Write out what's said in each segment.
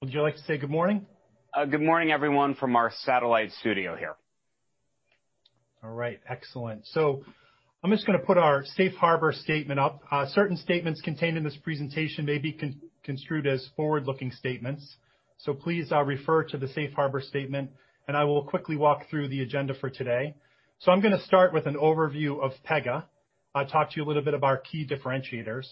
Would you like to say good morning? Good morning, everyone, from our satellite studio here. All right. Excellent. I'm just going to put our safe harbor statement up. Certain statements contained in this presentation may be construed as forward-looking statements. Please refer to the safe harbor statement, and I will quickly walk through the agenda for today. I'm going to start with an overview of Pega. I'll talk to you a little bit about our key differentiators.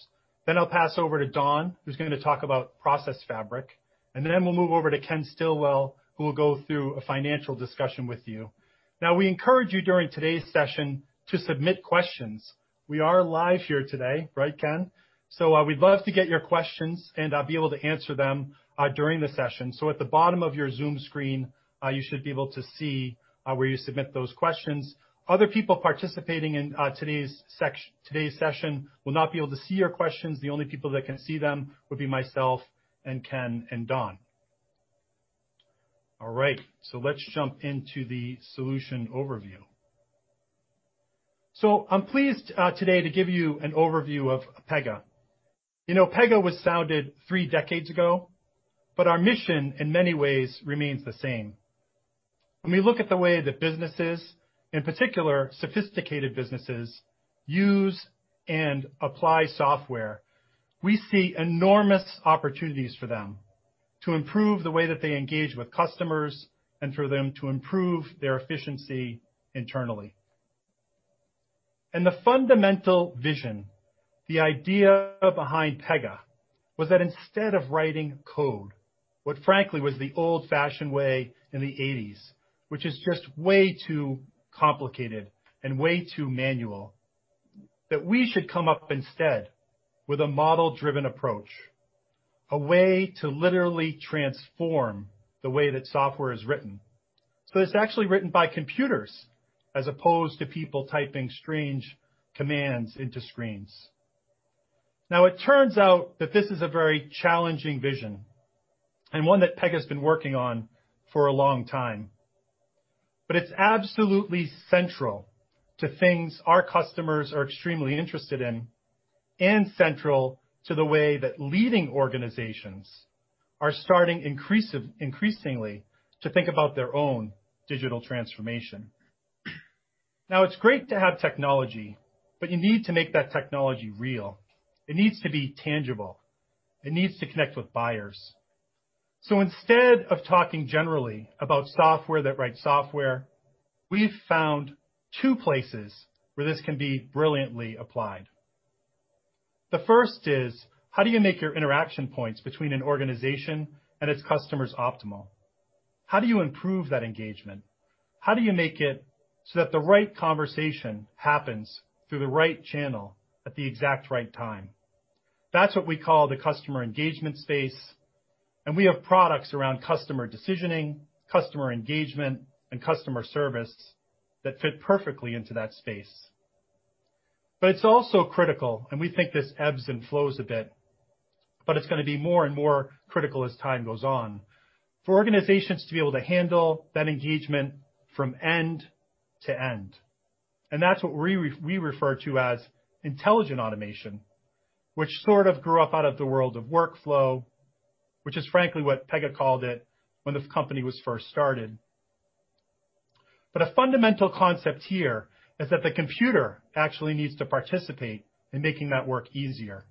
Then I'll pass over to Don, who's going to talk about Pega Process Fabric, and then we'll move over to Ken Stillwell, who will go through a financial discussion with you. Now, we encourage you during today's session to submit questions. We are live here today. Right, Ken? We'd love to get your questions, and I'll be able to answer them during the session. At the bottom of your Zoom screen, you should be able to see where you submit those questions. Other people participating in today's session will not be able to see your questions. The only people that can see them will be myself and Ken and Don. All right. Let's jump into the solution overview. I'm pleased today to give you an overview of Pega. Pega was founded three decades ago, but our mission, in many ways, remains the same. When we look at the way that businesses, in particular sophisticated businesses, use and apply software, we see enormous opportunities for them to improve the way that they engage with customers and for them to improve their efficiency internally. The fundamental vision, the idea behind Pega, was that instead of writing code, what frankly was the old-fashioned way in the 1980s, which is just way too complicated and way too manual, that we should come up instead with a model-driven approach, a way to literally transform the way that software is written. It's actually written by computers as opposed to people typing strange commands into screens. It turns out that this is a very challenging vision and one that Pega's been working on for a long time. It's absolutely central to things our customers are extremely interested in, and central to the way that leading organizations are starting increasingly to think about their own digital transformation. It's great to have technology, but you need to make that technology real. It needs to be tangible. It needs to connect with buyers. Instead of talking generally about software that writes software, we've found two places where this can be brilliantly applied. The first is, how do you make your interaction points between an organization and its customers optimal? How do you improve that engagement? How do you make it so that the right conversation happens through the right channel at the exact right time? That's what we call the customer engagement space, and we have products around customer decisioning, customer engagement, and customer service that fit perfectly into that space. It's also critical, and we think this ebbs and flows a bit, but it's going to be more and more critical as time goes on, for organizations to be able to handle that engagement from end to end. That's what we refer to as Intelligent Automation, which sort of grew up out of the world of workflow, which is frankly what Pega called it when this company was first started. A fundamental concept here is that the computer actually needs to participate in making that work easier.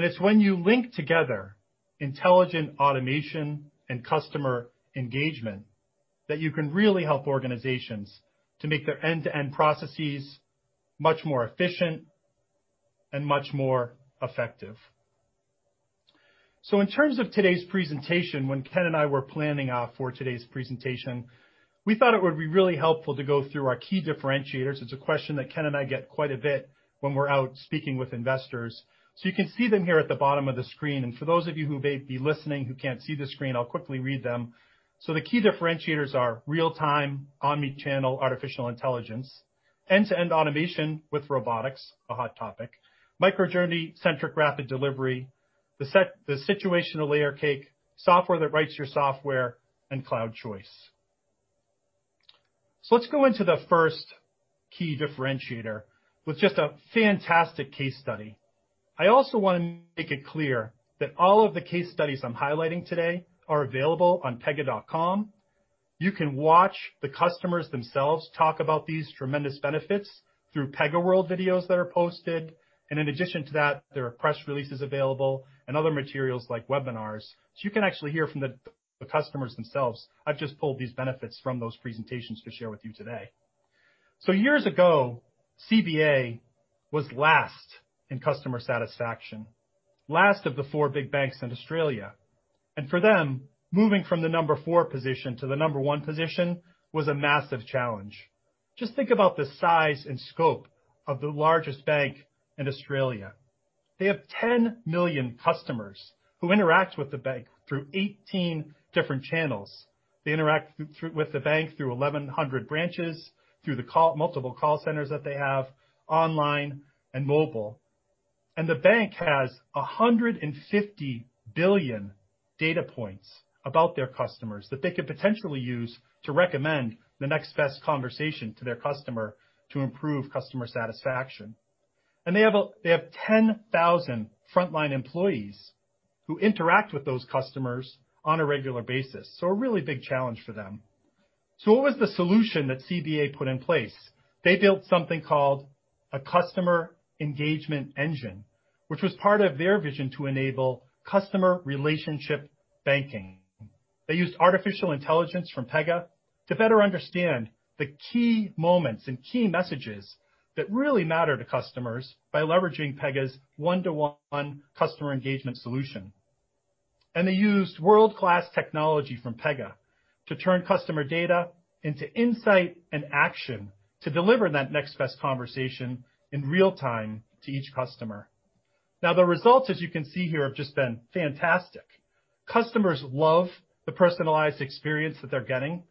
It's when you link together Intelligent Automation and customer engagement that you can really help organizations to make their end-to-end processes much more efficient and much more effective. In terms of today's presentation, when Ken and I were planning out for today's presentation, we thought it would be really helpful to go through our key differentiators. It's a question that Ken and I get quite a bit when we're out speaking with investors. You can see them here at the bottom of the screen. For those of you who may be listening who can't see the screen, I'll quickly read them. The key differentiators are real-time, omni-channel, artificial intelligence, end-to-end automation with robotics, a hot topic, microjourney-centric rapid delivery, The Situational Layer Cake, software that writes your software, and Cloud Choice. Let's go into the first key differentiator with just a fantastic case study. I also want to make it clear that all of the case studies I'm highlighting today are available on pega.com. You can watch the customers themselves talk about these tremendous benefits through PegaWorld videos that are posted. In addition to that, there are press releases available and other materials like webinars. You can actually hear from the customers themselves. I've just pulled these benefits from those presentations to share with you today. Years ago, CBA was last in customer satisfaction, last of the four big banks in Australia. For them, moving from the number four position to the number one position was a massive challenge. Just think about the size and scope of the largest bank in Australia. They have 10 million customers who interact with the bank through 18 different channels. They interact with the bank through 1,100 branches, through the multiple call centers that they have, online and mobile. The bank has 150 billion data points about their customers that they could potentially use to recommend the next best conversation to their customer to improve customer satisfaction. They have 10,000 frontline employees who interact with those customers on a regular basis. A really big challenge for them. What was the solution that CBA put in place? They built something called a Customer Engagement Engine, which was part of their vision to enable customer relationship banking. They used artificial intelligence from Pega to better understand the key moments and key messages that really matter to customers by leveraging Pega's one-to-one customer engagement solution. They used world-class technology from Pega to turn customer data into insight and action to deliver that next best conversation in real time to each customer. The results, as you can see here, have just been fantastic. Customers love the personalized experience that they're getting.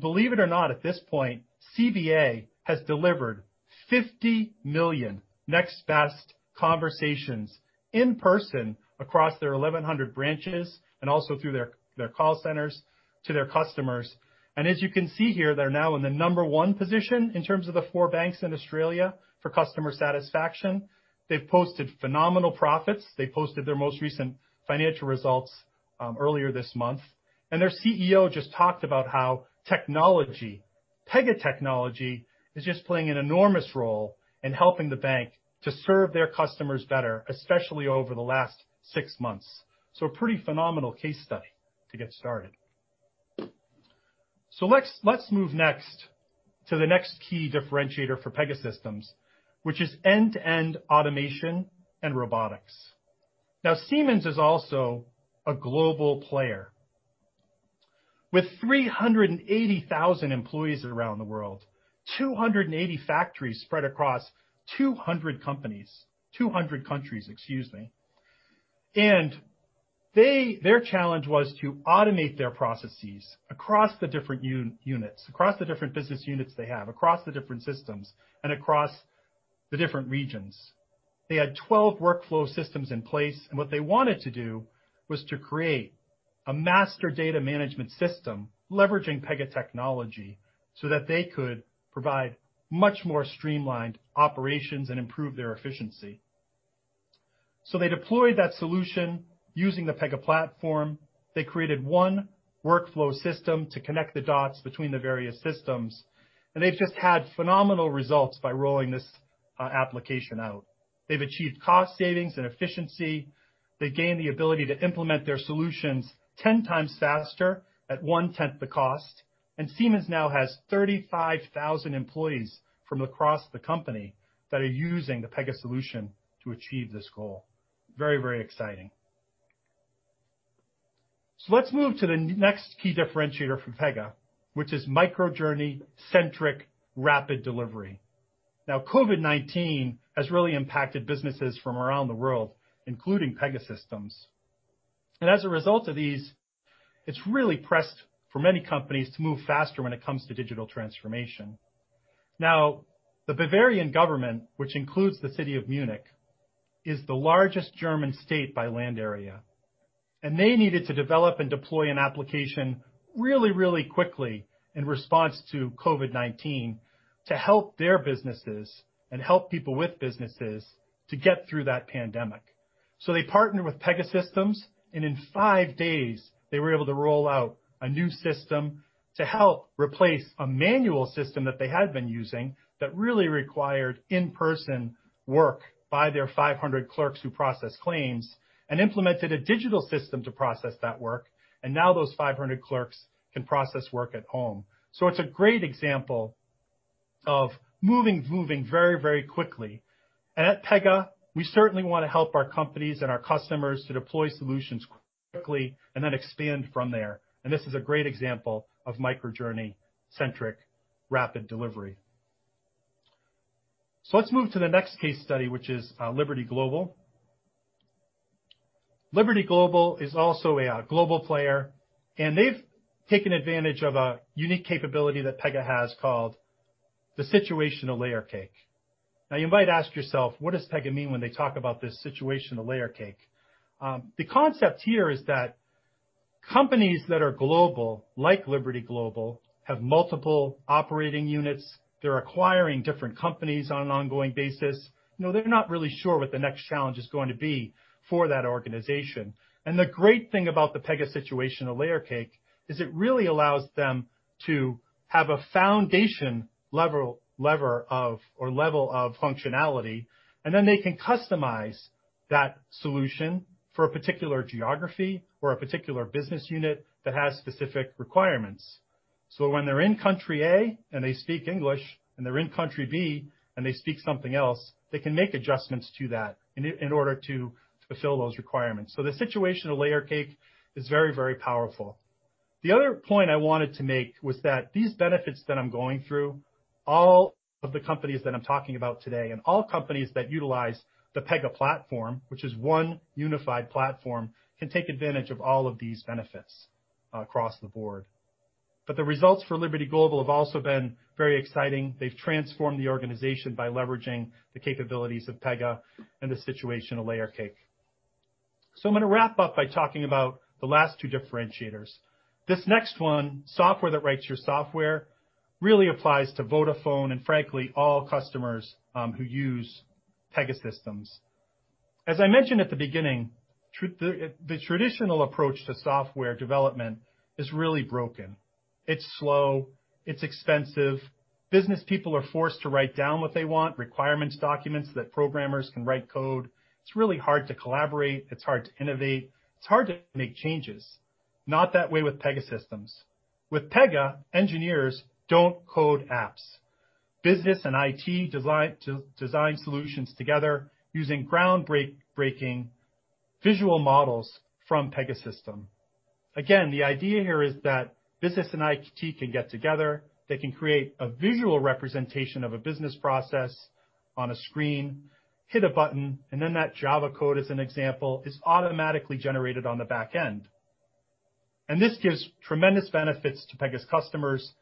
Believe it or not, at this point, CBA has delivered 50 million next best conversations in person across their 1,100 branches and also through their call centers to their customers. As you can see here, they're now in the number 1 position in terms of the four banks in Australia for customer satisfaction. They've posted phenomenal profits. They posted their most recent financial results earlier this month. Their CEO just talked about how technology, Pega technology, is just playing an enormous role in helping the bank to serve their customers better, especially over the last six months. A pretty phenomenal case study to get started. Let's move next to the next key differentiator for Pegasystems, which is end-to-end automation and robotics. Now, Siemens is also a global player with 380,000 employees around the world, 280 factories spread across 200 companies 200 countries, excuse me. Their challenge was to automate their processes across the different units, across the different business units they have, across the different systems, and across the different regions. They had 12 workflow systems in place, and what they wanted to do was to create a master data management system leveraging Pega technology so that they could provide much more streamlined operations and improve their efficiency. They deployed that solution using the Pega Platform. They created one workflow system to connect the dots between the various systems, and they've just had phenomenal results by rolling this application out. They've achieved cost savings and efficiency. They gained the ability to implement their solutions 10x faster at one-tenth the cost. Siemens now has 35,000 employees from across the company that are using the Pega solution to achieve this goal. Very, very exciting. Let's move to the next key differentiator for Pega, which is microjourney-centric rapid delivery. Now, COVID-19 has really impacted businesses from around the world, including Pegasystems. As a result of these, it's really pressed for many companies to move faster when it comes to digital transformation. The Bavarian State Government, which includes the city of Munich, is the largest German state by land area, and they needed to develop and deploy an application really quickly in response to COVID-19 to help their businesses and help people with businesses to get through that pandemic. They partnered with Pegasystems, and in five days, they were able to roll out a new system to help replace a manual system that they had been using that really required in-person work by their 500 clerks who process claims and implemented a digital system to process that work. Now those 500 clerks can process work at home. It's a great example of moving very quickly. At Pega, we certainly want to help our companies and our customers to deploy solutions quickly and then expand from there. This is a great example of microjourney-centric rapid delivery. Let's move to the next case study, which is Liberty Global. Liberty Global is also a global player, and they've taken advantage of a unique capability that Pega has called The Situational Layer Cake. You might ask yourself, what does Pega mean when they talk about this The Situational Layer Cake? The concept here is that companies that are global, like Liberty Global, have multiple operating units. They're acquiring different companies on an ongoing basis. They're not really sure what the next challenge is going to be for that organization. The great thing about Pega The Situational Layer Cake is it really allows them to have a foundation level of functionality, and then they can customize that solution for a particular geography or a particular business unit that has specific requirements. When they're in country A and they speak English, and they're in country B and they speak something else, they can make adjustments to that in order to fulfill those requirements. The Situational Layer Cake is very, very powerful. The other point I wanted to make was that these benefits that I'm going through, all of the companies that I'm talking about today and all companies that utilize the Pega Platform, which is one unified platform, can take advantage of all of these benefits across the board. The results for Liberty Global have also been very exciting. They've transformed the organization by leveraging the capabilities of Pega and The Situational Layer Cake. I'm going to wrap up by talking about the last two differentiators. This next one, software that writes your software, really applies to Vodafone and frankly, all customers who use Pegasystems. As I mentioned at the beginning, the traditional approach to software development is really broken. It's slow, it's expensive. Business people are forced to write down what they want, requirements documents that programmers can write code. It's really hard to collaborate. It's hard to innovate. It's hard to make changes. Not that way with Pegasystems. With Pega, engineers don't code apps. Business and IT design solutions together using ground-breaking visual models from Pegasystems. Again, the idea here is that business and IT can get together. They can create a visual representation of a business process on a screen, hit a button, and then that Java code, as an example, is automatically generated on the back end. This gives tremendous benefits to Pega's customers.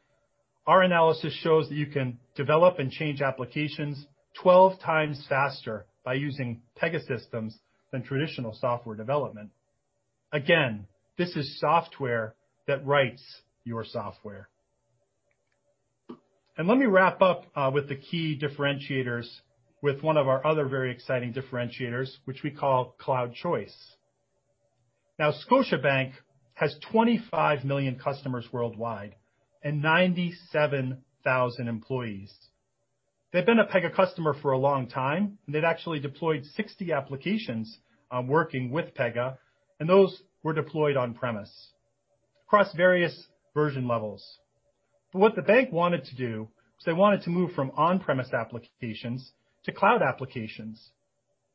Our analysis shows that you can develop and change applications 12x faster by using Pegasystems than traditional software development. Again, this is software that writes your software. Let me wrap up with the key differentiators with one of our other very exciting differentiators, which we call Cloud Choice. Now, Scotiabank has 25 million customers worldwide and 97,000 employees. They've been a Pega customer for a long time, and they've actually deployed 60 applications working with Pega, and those were deployed on-premise across various version levels. What the bank wanted to do was they wanted to move from on-premise applications to cloud applications.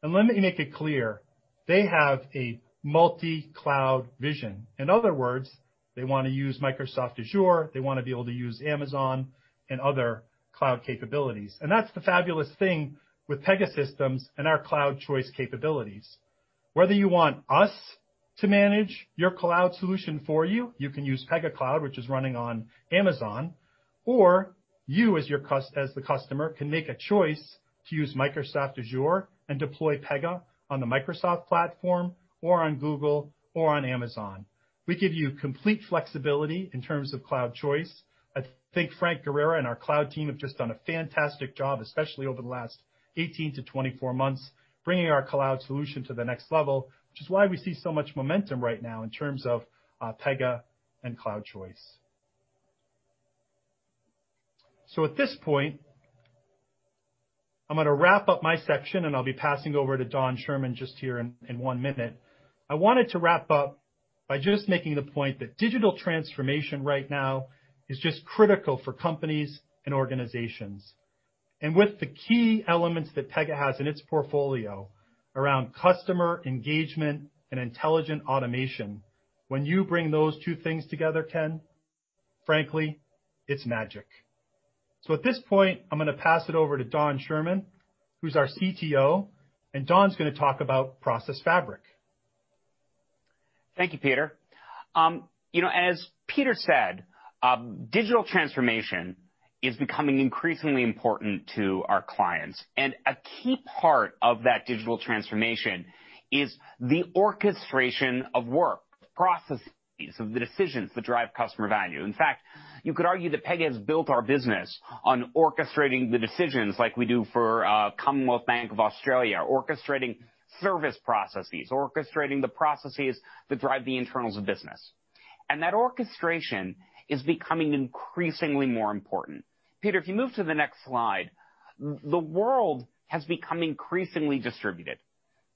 Let me make it clear, they have a multi-cloud vision. In other words, they want to use Microsoft Azure, they want to be able to use Amazon and other cloud capabilities. That's the fabulous thing with Pegasystems and our Cloud Choice capabilities. Whether you want us to manage your cloud solution for you can use Pega Cloud, which is running on Amazon, or you, as the customer, can make a choice to use Microsoft Azure and deploy Pega on the Microsoft platform or on Google or on Amazon. We give you complete flexibility in terms of Cloud Choice. Frank Guerrera and our Cloud team have just done a fantastic job, especially over the last 18 to 24 months, bringing our cloud solution to the next level, which is why we see so much momentum right now in terms of Pega and Cloud Choice. At this point, I'm going to wrap up my section and I'll be passing over to Don Schuerman just here in one minute. I wanted to wrap up by just making the point that digital transformation right now is just critical for companies and organizations. With the key elements that Pega has in its portfolio around customer engagement and intelligent automation, when you bring those two things together, then, frankly, it's magic. At this point, I'm going to pass it over to Don Schuerman, who's our CTO, and Don's going to talk about Process Fabric. Thank you, Peter. As Peter said, digital transformation is becoming increasingly important to our clients, a key part of that digital transformation is the orchestration of work, the processes of the decisions that drive customer value. In fact, you could argue that Pega has built our business on orchestrating the decisions like we do for Commonwealth Bank of Australia, orchestrating service processes, orchestrating the processes that drive the internals of business. That orchestration is becoming increasingly more important. Peter, if you move to the next slide. The world has become increasingly distributed,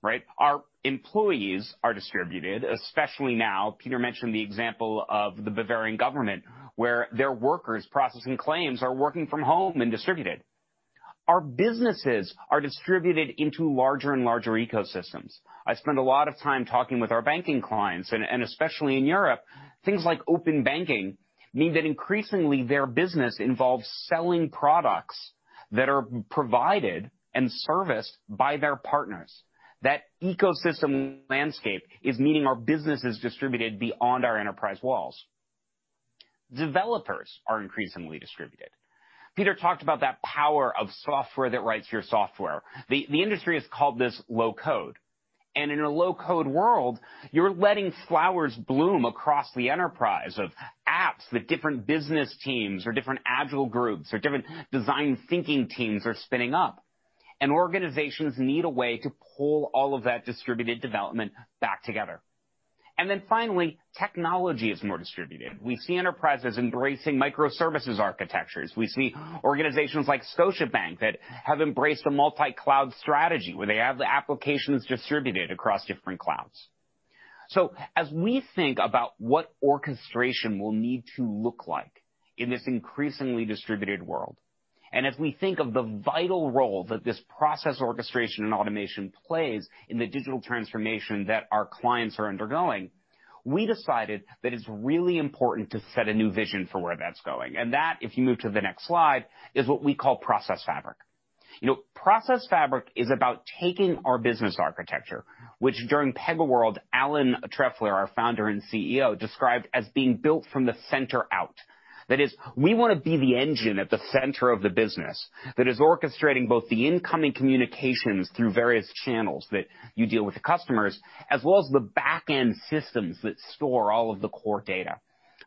right? Our employees are distributed, especially now. Peter mentioned the example of the Bavarian Government, where their workers processing claims are working from home and distributed. Our businesses are distributed into larger and larger ecosystems. I spend a lot of time talking with our banking clients, especially in Europe, things like open banking mean that increasingly their business involves selling products that are provided and serviced by their partners. That ecosystem landscape is meaning our business is distributed beyond our enterprise walls. Developers are increasingly distributed. Peter talked about that power of software that writes your software. The industry has called this low-code. In a low-code world, you're letting flowers bloom across the enterprise of apps that different business teams or different agile groups or different design thinking teams are spinning up. Organizations need a way to pull all of that distributed development back together. Finally, technology is more distributed. We see enterprises embracing microservices architectures. We see organizations like Scotiabank that have embraced a multi-cloud strategy where they have the applications distributed across different clouds. As we think about what orchestration will need to look like in this increasingly distributed world, and as we think of the vital role that this process orchestration and automation plays in the digital transformation that our clients are undergoing, we decided that it's really important to set a new vision for where that's going. That, if you move to the next slide, is what we call Process Fabric. Process Fabric is about taking our business architecture, which during PegaWorld, Alan Trefler, our Founder and Chief Executive Officer, described as being built from the center-out. That is, we want to be the engine at the center of the business that is orchestrating both the incoming communications through various channels that you deal with the customers, as well as the backend systems that store all of the core data.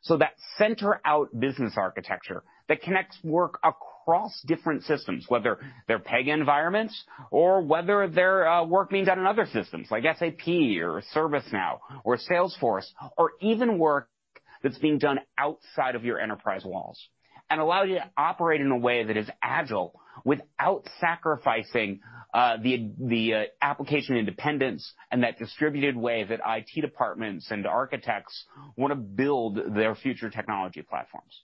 That center-out business architecture that connects work across different systems, whether they're Pega environments or whether they're work being done in other systems like SAP or ServiceNow or Salesforce, or even work that's being done outside of your enterprise walls and allow you to operate in a way that is agile without sacrificing the application independence and that distributed way that IT departments and architects want to build their future technology platforms.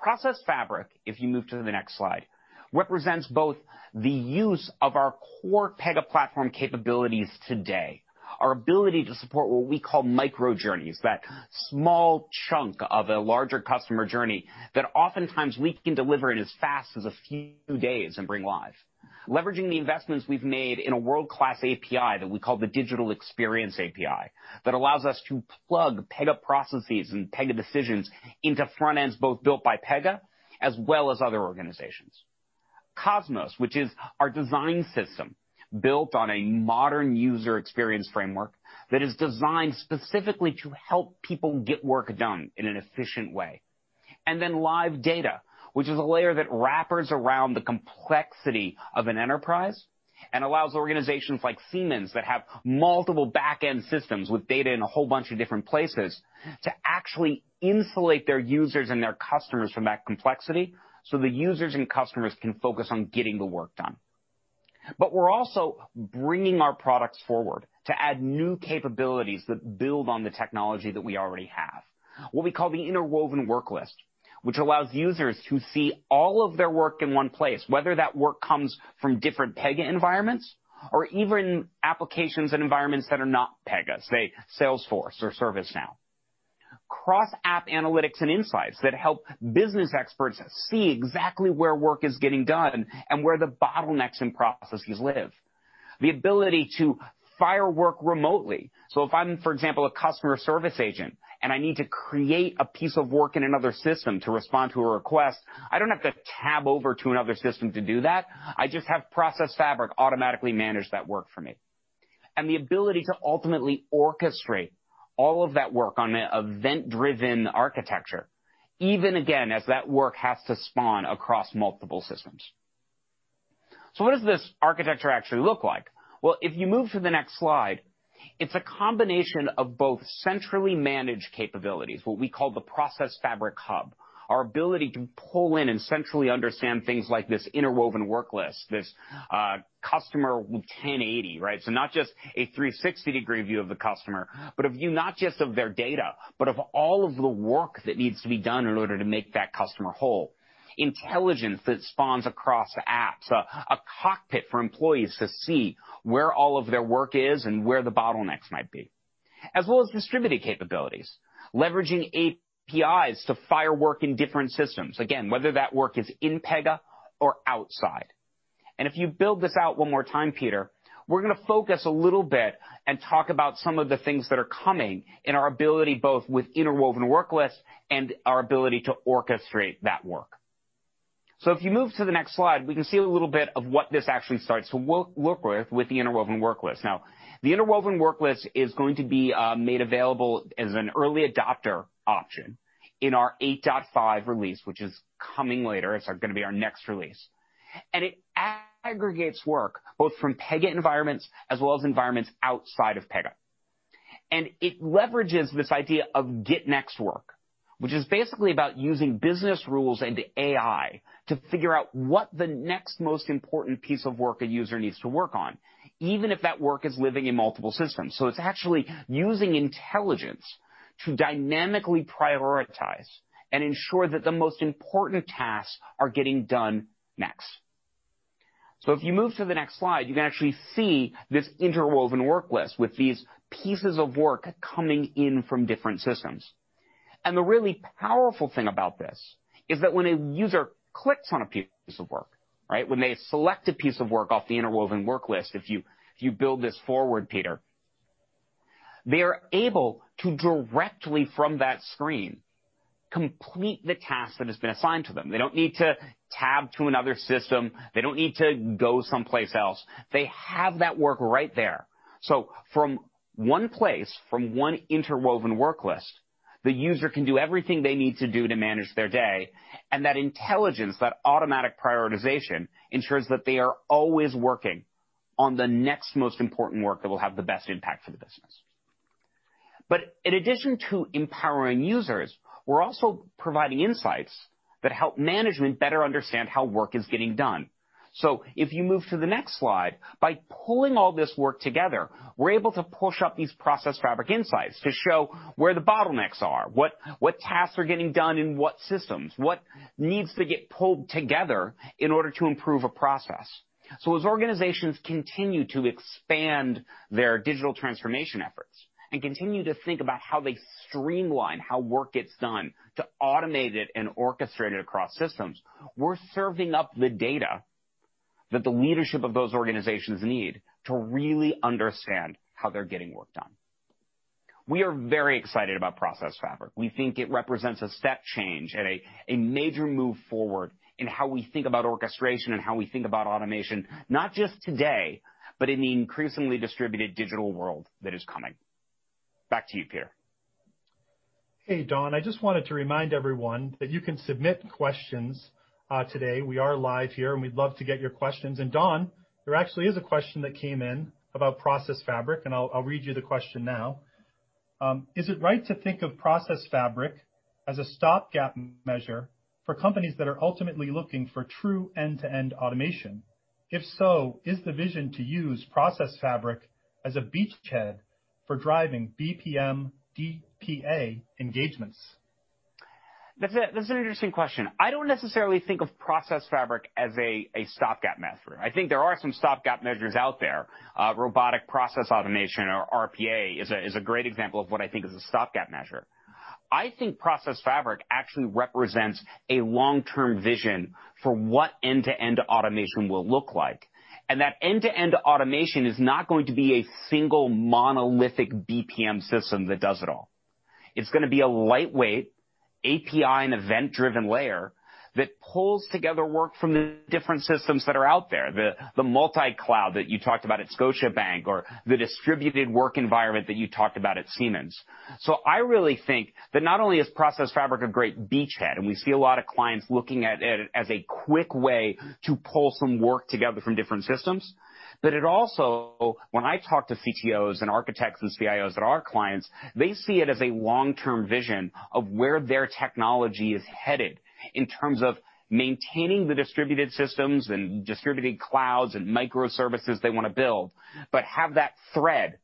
Process Fabric, if you move to the next slide, represents both the use of our core Pega Platform capabilities today, our ability to support what we call microjourneys, that small chunk of a larger customer journey that oftentimes we can deliver it as fast as a few days and bring live. Leveraging the investments we've made in a world-class API that we call the Digital Experience API, that allows us to plug Pega processes and Pega decisions into front ends, both built by Pega as well as other organizations. Cosmos, which is our design system built on a modern user experience framework that is designed specifically to help people get work done in an efficient way. Live Data, which is a layer that wraps around the complexity of an enterprise and allows organizations like Siemens that have multiple backend systems with data in a whole bunch of different places, to actually insulate their users and their customers from that complexity, so the users and customers can focus on getting the work done. We're also bringing our products forward to add new capabilities that build on the technology that we already have. What we call the Interwoven Worklist, which allows users to see all of their work in one place, whether that work comes from different Pega environments or even applications and environments that are not Pega, say Salesforce or ServiceNow. Cross-app analytics and insights that help business experts see exactly where work is getting done and where the bottlenecks in processes live. The ability to fire work remotely. If I'm, for example, a customer service agent and I need to create a piece of work in another system to respond to a request, I don't have to tab over to another system to do that. I just have Process Fabric automatically manage that work for me. The ability to ultimately orchestrate all of that work on an event-driven architecture, even again, as that work has to spawn across multiple systems. What does this architecture actually look like? If you move to the next slide, it's a combination of both centrally managed capabilities, what we call the Pega Process Fabric Hub. Our ability to pull in and centrally understand things like this Interwoven Worklist, this customer with 1080, right? Not just a 360-degree view of the customer, but a view not just of their data, but of all of the work that needs to be done in order to make that customer whole. Intelligence that spawns across apps, a cockpit for employees to see where all of their work is and where the bottlenecks might be. As well as distributed capabilities, leveraging APIs to fire work in different systems. Again, whether that work is in Pega or outside. If you build this out one more time, Peter, we're going to focus a little bit and talk about some of the things that are coming in our ability both with Interwoven Worklist and our ability to orchestrate that work. If you move to the next slide, we can see a little bit of what this actually starts to look with the Interwoven Worklist. The Interwoven Worklist is going to be made available as an early adopter option in our 8.5 release, which is coming later. It's going to be our next release. It aggregates work both from Pega environments as well as environments outside of Pega. It leverages this idea of Get Next Work, which is basically about using business rules and AI to figure out what the next most important piece of work a user needs to work on, even if that work is living in multiple systems. It's actually using intelligence to dynamically prioritize and ensure that the most important tasks are getting done next. If you move to the next slide, you can actually see this Interwoven Worklist with these pieces of work coming in from different systems. The really powerful thing about this is that when a user clicks on a piece of work, when they select a piece of work off the Interwoven Worklist, if you build this forward, Peter, they are able to directly from that screen, complete the task that has been assigned to them. They don't need to tab to another system. They don't need to go someplace else. They have that work right there. From one place, from one Interwoven Worklist, the user can do everything they need to do to manage their day, and that intelligence, that automatic prioritization ensures that they are always working on the next most important work that will have the best impact for the business. In addition to empowering users, we're also providing insights that help management better understand how work is getting done. If you move to the next slide, by pulling all this work together, we're able to push up these Process Fabric insights to show where the bottlenecks are, what tasks are getting done in what systems, what needs to get pulled together in order to improve a process. As organizations continue to expand their digital transformation efforts and continue to think about how they streamline how work gets done to automate it and orchestrate it across systems, we're serving up the data that the leadership of those organizations need to really understand how they're getting work done. We are very excited about Process Fabric. We think it represents a step change and a major move forward in how we think about orchestration and how we think about automation, not just today, but in the increasingly distributed digital world that is coming. Back to you, Peter. Hey, Don. I just wanted to remind everyone that you can submit questions today. We are live here, and we'd love to get your questions. Don, there actually is a question that came in about Process Fabric, and I'll read you the question now. Is it right to think of Process Fabric as a stopgap measure for companies that are ultimately looking for true end-to-end automation? If so, is the vision to use Process Fabric as a beachhead for driving BPM, DPA engagements? That's an interesting question. I don't necessarily think of Pega Process Fabric as a stopgap measure. I think there are some stopgap measures out there. Robotic Process Automation or RPA is a great example of what I think is a stopgap measure. I think Pega Process Fabric actually represents a long-term vision for what end-to-end automation will look like, and that end-to-end automation is not going to be a single monolithic BPM system that does it all. It's going to be a lightweight API and event-driven layer that pulls together work from the different systems that are out there, the multi-cloud that you talked about at Scotiabank or the distributed work environment that you talked about at Siemens. I really think that not only is Process Fabric a great beachhead, and we see a lot of clients looking at it as a quick way to pull some work together from different systems. It also, when I talk to CTOs and architects and CIOs that are clients, they see it as a long-term vision of where their technology is headed in terms of maintaining the distributed systems and distributing clouds and microservices they want to build, but have that thread,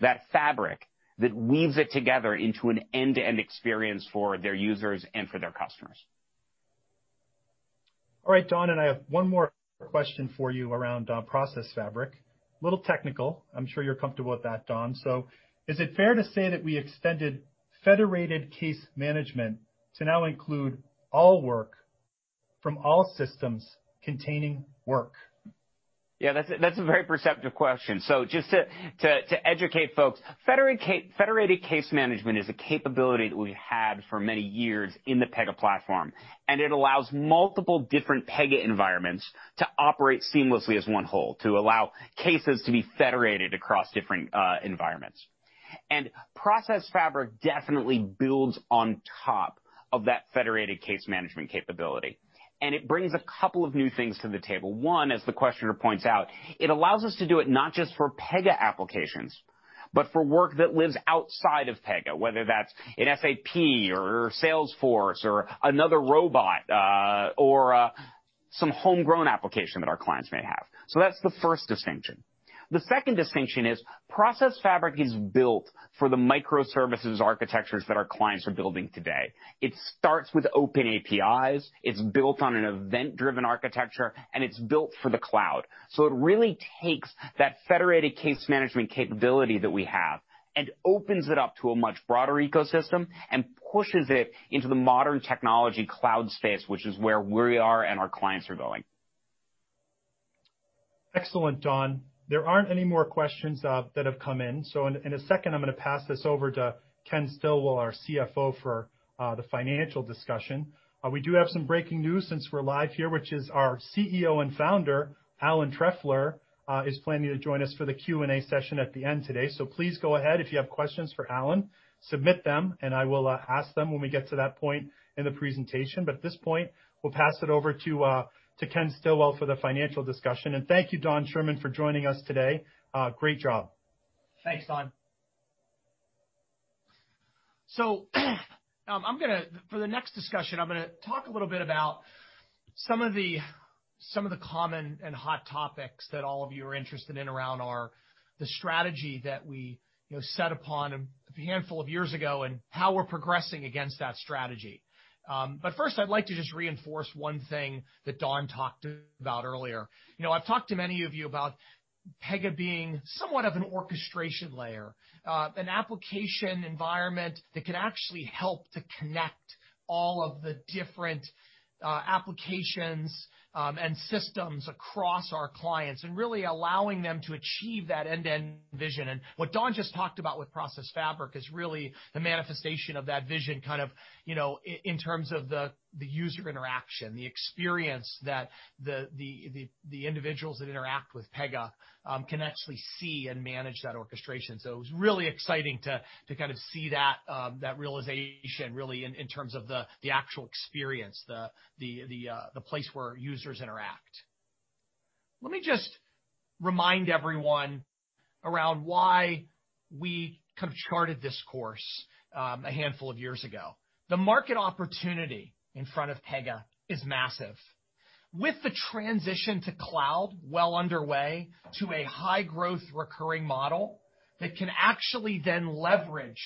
that fabric that weaves it together into an end-to-end experience for their users and for their customers. All right, Don, I have one more question for you around Process Fabric. A little technical. I'm sure you're comfortable with that, Don. Is it fair to say that we extended Federated Case Management to now include all work from all systems containing work? Yeah, that's a very perceptive question. Just to educate folks, Federated Case Management is a capability that we've had for many years in the Pega Platform, and it allows multiple different Pega environments to operate seamlessly as one whole, to allow cases to be federated across different environments. Process Fabric definitely builds on top of that Federated Case Management capability, and it brings a couple of new things to the table. One, as the questioner points out, it allows us to do it not just for Pega applications, but for work that lives outside of Pega, whether that's in SAP or Salesforce or another robot or some homegrown application that our clients may have. That's the first distinction. The second distinction is Process Fabric is built for the microservices architectures that our clients are building today. It starts with open APIs. It's built on an event-driven architecture, and it's built for the cloud. It really takes that Federated Case Management capability that we have and opens it up to a much broader ecosystem and pushes it into the modern technology cloud space, which is where we are and our clients are going. Excellent, Don. There aren't any more questions that have come in. In a second, I'm going to pass this over to Ken Stillwell, our CFO, for the Financial discussion. We do have some breaking news since we're live here, which is our CEO and Founder, Alan Trefler, is planning to join us for the Q&A session at the end today. Please go ahead if you have questions for Alan, submit them, and I will ask them when we get to that point in the presentation. At this point, we'll pass it over to Ken Stillwell for the financial discussion. Thank you, Don Schuerman, for joining us today. Great job. Thanks, Don. For the next discussion, I'm going to talk a little bit about some of the common and hot topics that all of you are interested in around the strategy that we set upon a handful of years ago and how we're progressing against that strategy. First, I'd like to just reinforce one thing that Don talked about earlier. I've talked to many of you about Pega being somewhat of an orchestration layer, an application environment that can actually help to connect all of the different applications and systems across our clients and really allowing them to achieve that end-to-end vision. What Don just talked about with Process Fabric is really the manifestation of that vision kind of in terms of the user interaction, the experience that the individuals that interact with Pega can actually see and manage that orchestration. It was really exciting to kind of see that realization really in terms of the actual experience, the place where users interact. Let me just remind everyone around why we kind of charted this course a handful of years ago. The market opportunity in front of Pega is massive. With the transition to cloud well underway to a high-growth recurring model That can actually then leverage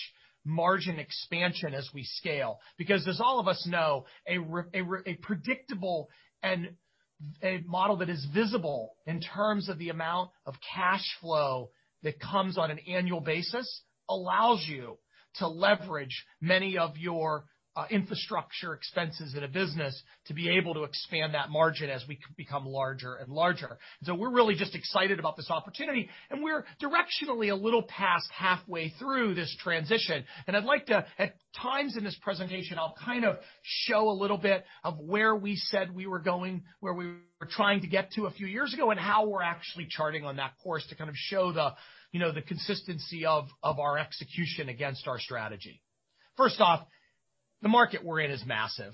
margin expansion as we scale. As all of us know, a predictable and a model that is visible in terms of the amount of cash flow that comes on an annual basis allows you to leverage many of your infrastructure expenses in a business to be able to expand that margin as we become larger and larger. We're really just excited about this opportunity, and we're directionally a little past halfway through this transition. I'd like to, at times in this presentation, I'll kind of show a little bit of where we said we were going, where we were trying to get to a few years ago, and how we're actually charting on that course to kind of show the consistency of our execution against our strategy. First off, the market we're in is massive.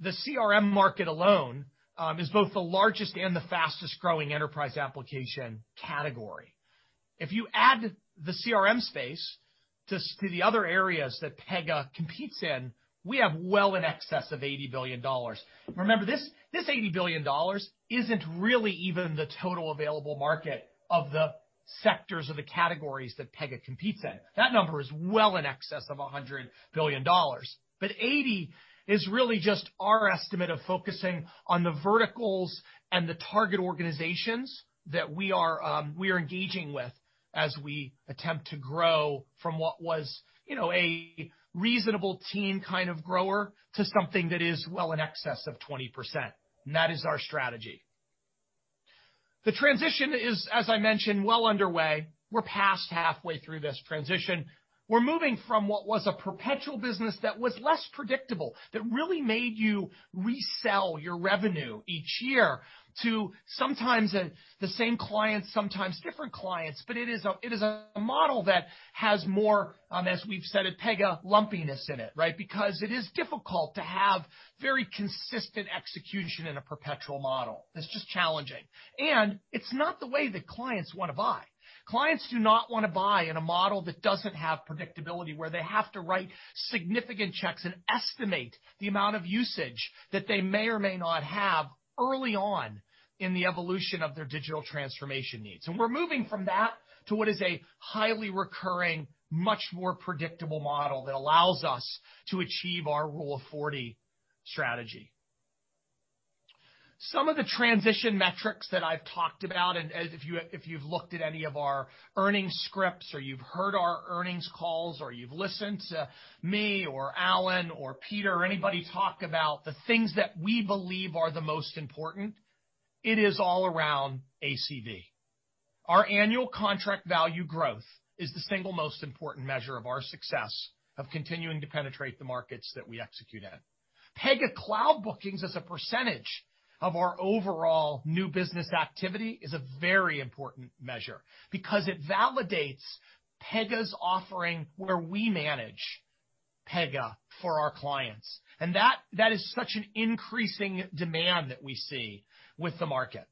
The CRM market alone, is both the largest and the fastest-growing enterprise application category. If you add the CRM space to the other areas that Pega competes in, we have well in excess of $80 billion. Remember, this $80 billion isn't really even the total available market of the sectors or the categories that Pega competes in. That number is well in excess of $100 billion. $80 billion is really just our estimate of focusing on the verticals and the target organizations that we are engaging with as we attempt to grow from what was a reasonable teen kind of grower to something that is well in excess of 20%. That is our strategy. The transition is, as I mentioned, well underway. We're past halfway through this transition. We're moving from what was a perpetual business that was less predictable, that really made you resell your revenue each year to sometimes the same clients, sometimes different clients, but it is a model that has more, as we've said at Pega, lumpiness in it, right? Because it is difficult to have very consistent execution in a perpetual model. That's just challenging. And it's not the way that clients want to buy. Clients do not want to buy in a model that doesn't have predictability, where they have to write significant checks and estimate the amount of usage that they may or may not have early on in the evolution of their digital transformation needs. And we're moving from that to what is a highly recurring, much more predictable model that allows us to achieve our Rule of 40 strategy. Some of the transition metrics that I've talked about, if you've looked at any of our earnings scripts or you've heard our earnings calls or you've listened to me or Alan or Peter or anybody talk about the things that we believe are the most important, it is all around ACV. Our annual contract value growth is the single most important measure of our success of continuing to penetrate the markets that we execute in. Pega Cloud bookings as a percentage of our overall new business activity is a very important measure because it validates Pega's offering where we manage Pega for our clients, and that is such an increasing demand that we see with the market.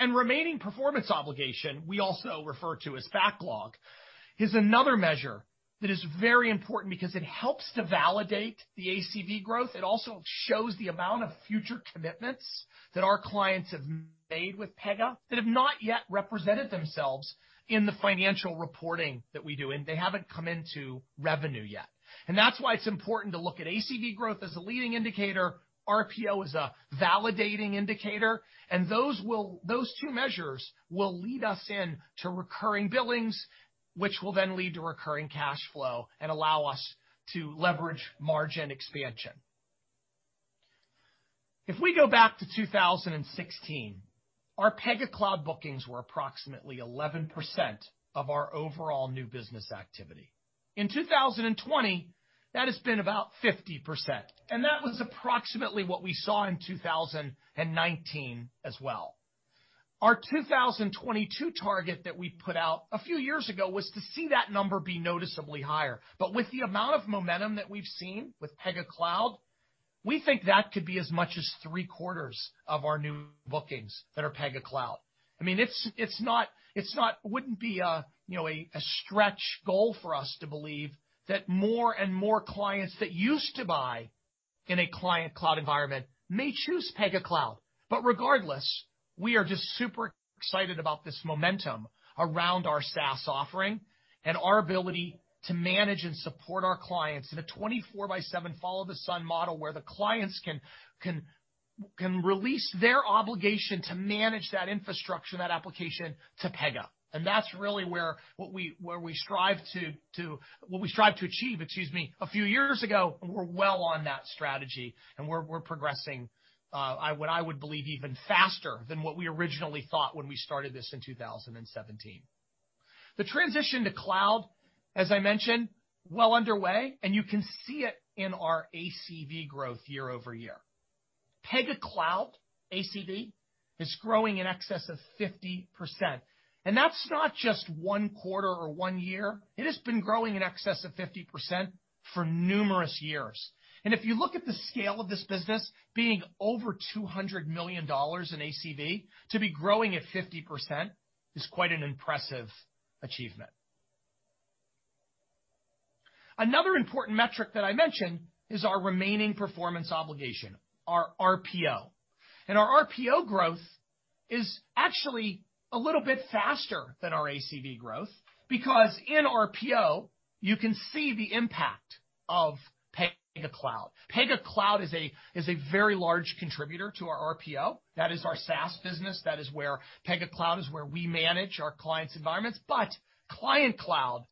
Remaining performance obligation, we also refer to as backlog, is another measure that is very important because it helps to validate the ACV growth. It also shows the amount of future commitments that our clients have made with Pega that have not yet represented themselves in the financial reporting that we do. They haven't come into revenue yet. That's why it's important to look at ACV growth as a leading indicator, RPO as a validating indicator. Those two measures will lead us in to recurring billings, which will then lead to recurring cash flow and allow us to leverage margin expansion. If we go back to 2016, our Pega Cloud bookings were approximately 11% of our overall new business activity. In 2020, that has been about 50%. That was approximately what we saw in 2019 as well. Our 2022 target that we put out a few years ago was to see that number be noticeably higher. With the amount of momentum that we've seen with Pega Cloud, we think that could be as much as three-quarters of our new bookings that are Pega Cloud. It wouldn't be a stretch goal for us to believe that more and more clients that used to buy in a Client Cloud environment may choose Pega Cloud. Regardless, we are just super excited about this momentum around our SaaS offering and our ability to manage and support our clients in a 24/7 follow the sun model where the clients can release their obligation to manage that infrastructure, that application, to Pega. That's really where what we strive to achieve, excuse me, a few years ago, and we're well on that strategy, and we're progressing, what I would believe even faster than what we originally thought when we started this in 2017. The transition to Cloud, as I mentioned, well underway, and you can see it in our ACV growth year-over-year. Pega Cloud ACV is growing in excess of 50%, and that's not just one quarter or one year. It has been growing in excess of 50% for numerous years. If you look at the scale of this business being over $200 million in ACV, to be growing at 50% is quite an impressive achievement. Another important metric that I mentioned is our remaining performance obligation, our RPO. Our RPO growth is actually a little bit faster than our ACV growth because in RPO, you can see the impact of Pega Cloud. Pega Cloud is a very large contributor to our RPO. That is our SaaS business. Pega Cloud is where we manage our clients' environments. Client Cloud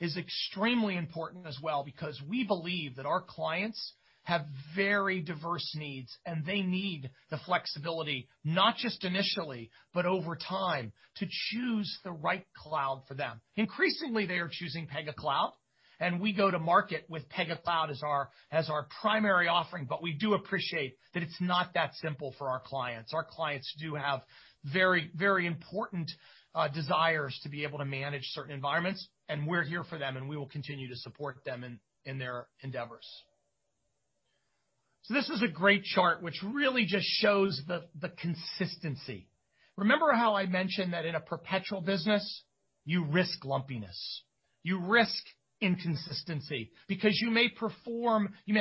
is extremely important as well because we believe that our clients have very diverse needs, and they need the flexibility, not just initially, but over time, to choose the right cloud for them. Increasingly, they are choosing Pega Cloud, and we go to market with Pega Cloud as our primary offering, but we do appreciate that it's not that simple for our clients. Our clients do have very important desires to be able to manage certain environments, and we're here for them, and we will continue to support them in their endeavors. This is a great chart which really just shows the consistency. Remember how I mentioned that in a perpetual business, you risk lumpiness. You risk inconsistency because you may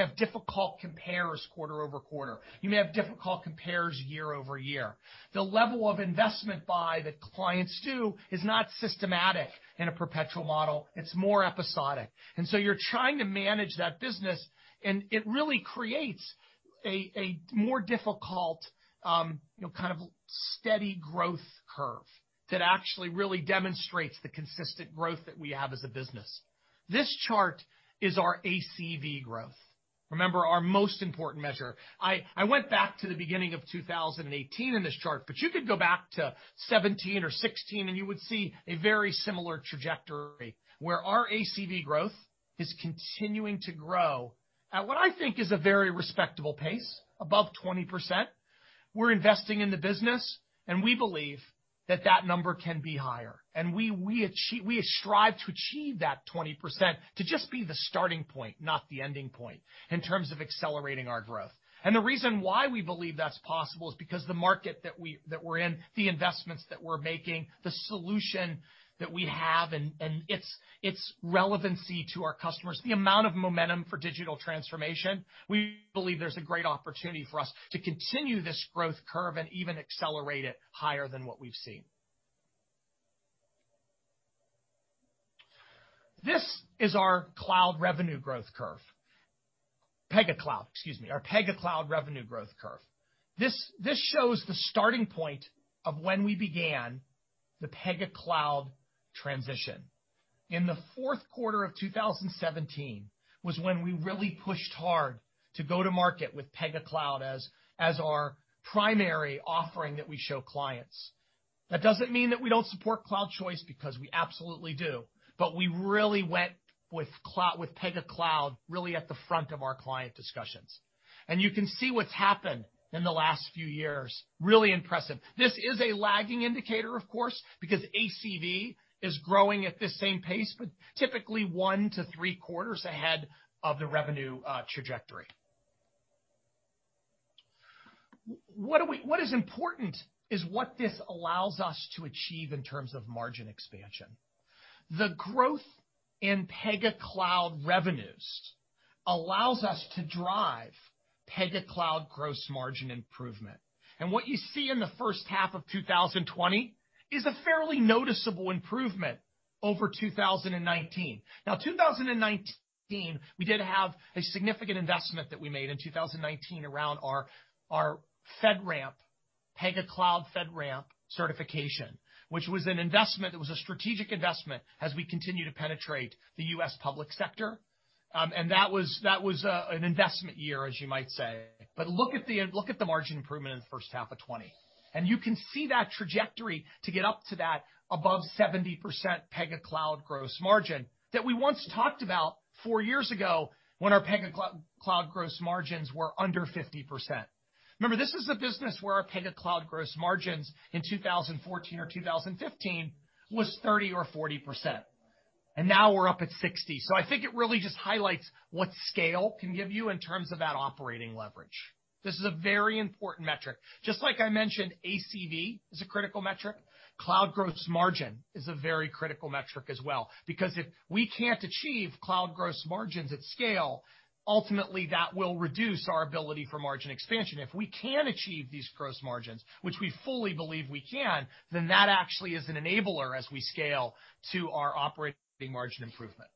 have difficult compares quarter-over-quarter. You may have difficult compares year-over-year. The level of investment buy that clients do is not systematic in a perpetual model. It's more episodic. You're trying to manage that business, and it really creates a more difficult steady growth curve that actually really demonstrates the consistent growth that we have as a business. This chart is our ACV growth. Remember, our most important measure. I went back to the beginning of 2018 in this chart, but you could go back to 2017 or 2016, and you would see a very similar trajectory, where our ACV growth is continuing to grow at what I think is a very respectable pace, above 20%. We're investing in the business, and we believe that that number can be higher. We strive to achieve that 20% to just be the starting point, not the ending point, in terms of accelerating our growth. The reason why we believe that's possible is because the market that we're in, the investments that we're making, the solution that we have, and its relevancy to our customers, the amount of momentum for digital transformation, we believe there's a great opportunity for us to continue this growth curve and even accelerate it higher than what we've seen. This is our cloud revenue growth curve. Pega Cloud, excuse me, our Pega Cloud revenue growth curve. This shows the starting point of when we began the Pega Cloud transition. In the fourth quarter of 2017 was when we really pushed hard to go to market with Pega Cloud as our primary offering that we show clients. That doesn't mean that we don't support Cloud Choice, because we absolutely do. We really went with Pega Cloud really at the front of our client discussions. You can see what's happened in the last few years. Really impressive. This is a lagging indicator, of course, because ACV is growing at this same pace, but typically one to three quarters ahead of the revenue trajectory. What is important is what this allows us to achieve in terms of margin expansion. The growth in Pega Cloud revenues allows us to drive Pega Cloud gross margin improvement. What you see in the first half of 2020 is a fairly noticeable improvement over 2019. Now, 2019, we did have a significant investment that we made in 2019 around our FedRAMP, Pega Cloud FedRAMP certification, which was an investment, it was a strategic investment as we continue to penetrate the U.S. public sector. That was an investment year, as you might say. Look at the margin improvement in the first half of 2020. You can see that trajectory to get up to that above 70% Pega Cloud gross margin that we once talked about four years ago when our Pega Cloud gross margins were under 50%. Remember, this is the business where our Pega Cloud gross margins in 2014 or 2015 was 30% or 40%. Now we're up at 60%. I think it really just highlights what scale can give you in terms of that operating leverage. This is a very important metric. Just like I mentioned ACV is a critical metric, cloud gross margin is a very critical metric as well. If we can't achieve cloud gross margins at scale, ultimately that will reduce our ability for margin expansion. If we can achieve these gross margins, which we fully believe we can, then that actually is an enabler as we scale to our operating margin improvement.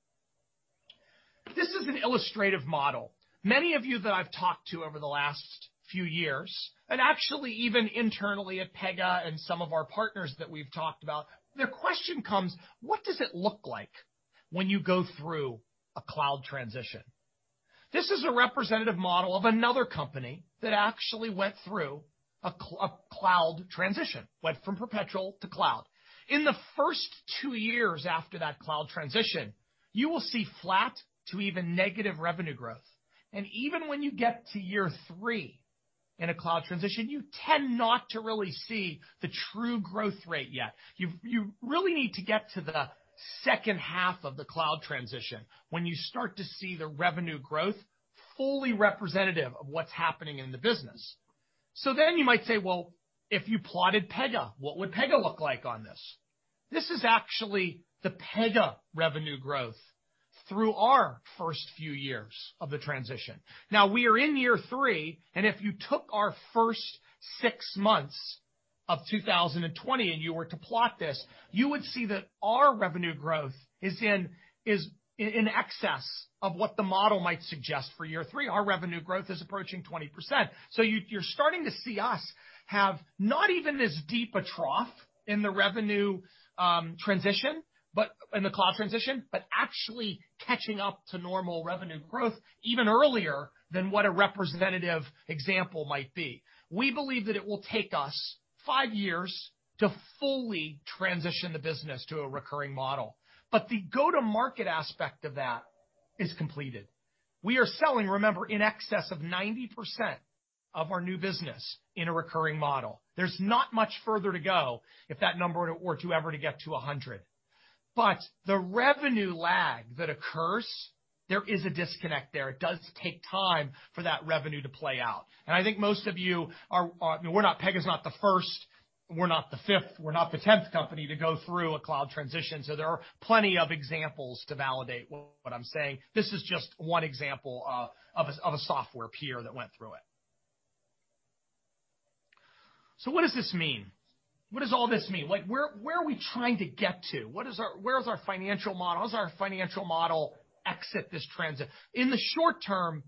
This is an illustrative model. Many of you that I've talked to over the last few years, and actually even internally at Pega and some of our partners that we've talked about, their question comes, what does it look like when you go through a cloud transition? This is a representative model of another company that actually went through a cloud transition, went from perpetual to cloud. In the first two years after that cloud transition, you will see flat to even negative revenue growth. Even when you get to year three in a cloud transition, you tend not to really see the true growth rate yet. You really need to get to the second half of the cloud transition when you start to see the revenue growth fully representative of what's happening in the business. You might say, well, if you plotted Pega, what would Pega look like on this? This is actually the Pega revenue growth through our first few years of the transition. Now we are in year three, and if you took our first six months of 2020 and you were to plot this, you would see that our revenue growth is in excess of what the model might suggest for year three. Our revenue growth is approaching 20%. You're starting to see us have not even as deep a trough in the revenue transition, but in the cloud transition, but actually catching up to normal revenue growth even earlier than what a representative example might be. We believe that it will take us five years to fully transition the business to a recurring model. The go-to-market aspect of that is completed. We are selling, remember, in excess of 90% of our new business in a recurring model. There's not much further to go if that number were to ever to get to 100. The revenue lag that occurs, there is a disconnect there. It does take time for that revenue to play out. I think most of you are Pega is not the first, we're not the fifth, we're not the 10th company to go through a cloud transition. There are plenty of examples to validate what I'm saying. This is just one example of a software peer that went through it. What does this mean? What does all this mean? Where are we trying to get to? Where's our financial model? How does our financial model exit this transit? In the short term,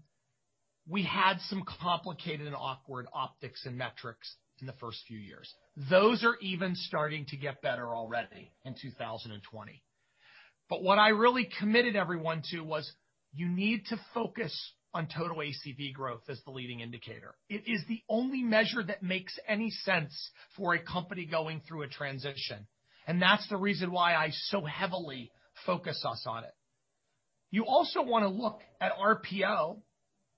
we had some complicated and awkward optics and metrics in the first few years. Those are even starting to get better already in 2020. What I really committed everyone to was you need to focus on total ACV growth as the leading indicator. It is the only measure that makes any sense for a company going through a transition, and that's the reason why I so heavily focus us on it. You also want to look at RPO,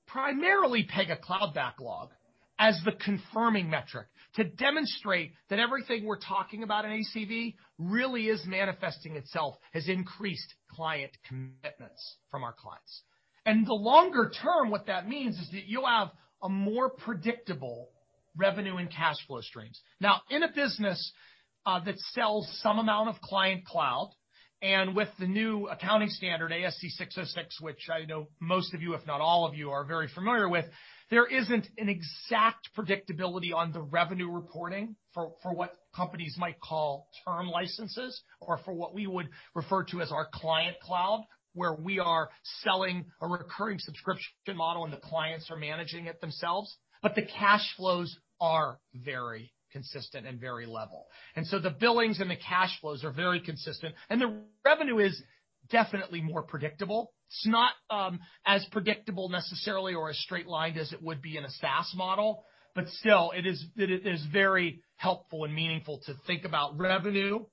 primarily Pega Cloud backlog, as the confirming metric to demonstrate that everything we're talking about in ACV really is manifesting itself as increased client commitments from our clients. The longer term, what that means is that you'll have a more predictable revenue and cash flow streams. In a business that sells some amount of Client Cloud, and with the new accounting standard, ASC 606, which I know most of you, if not all of you, are very familiar with, there isn't an exact predictability on the revenue reporting for what companies might call term licenses or for what we would refer to as our Client Cloud, where we are selling a recurring subscription model and the clients are managing it themselves. The cash flows are very consistent and very level. The billings and the cash flows are very consistent, and the revenue is definitely more predictable. It's not as predictable necessarily or as straight-lined as it would be in a SaaS model, still, it is very helpful and meaningful to think about revenue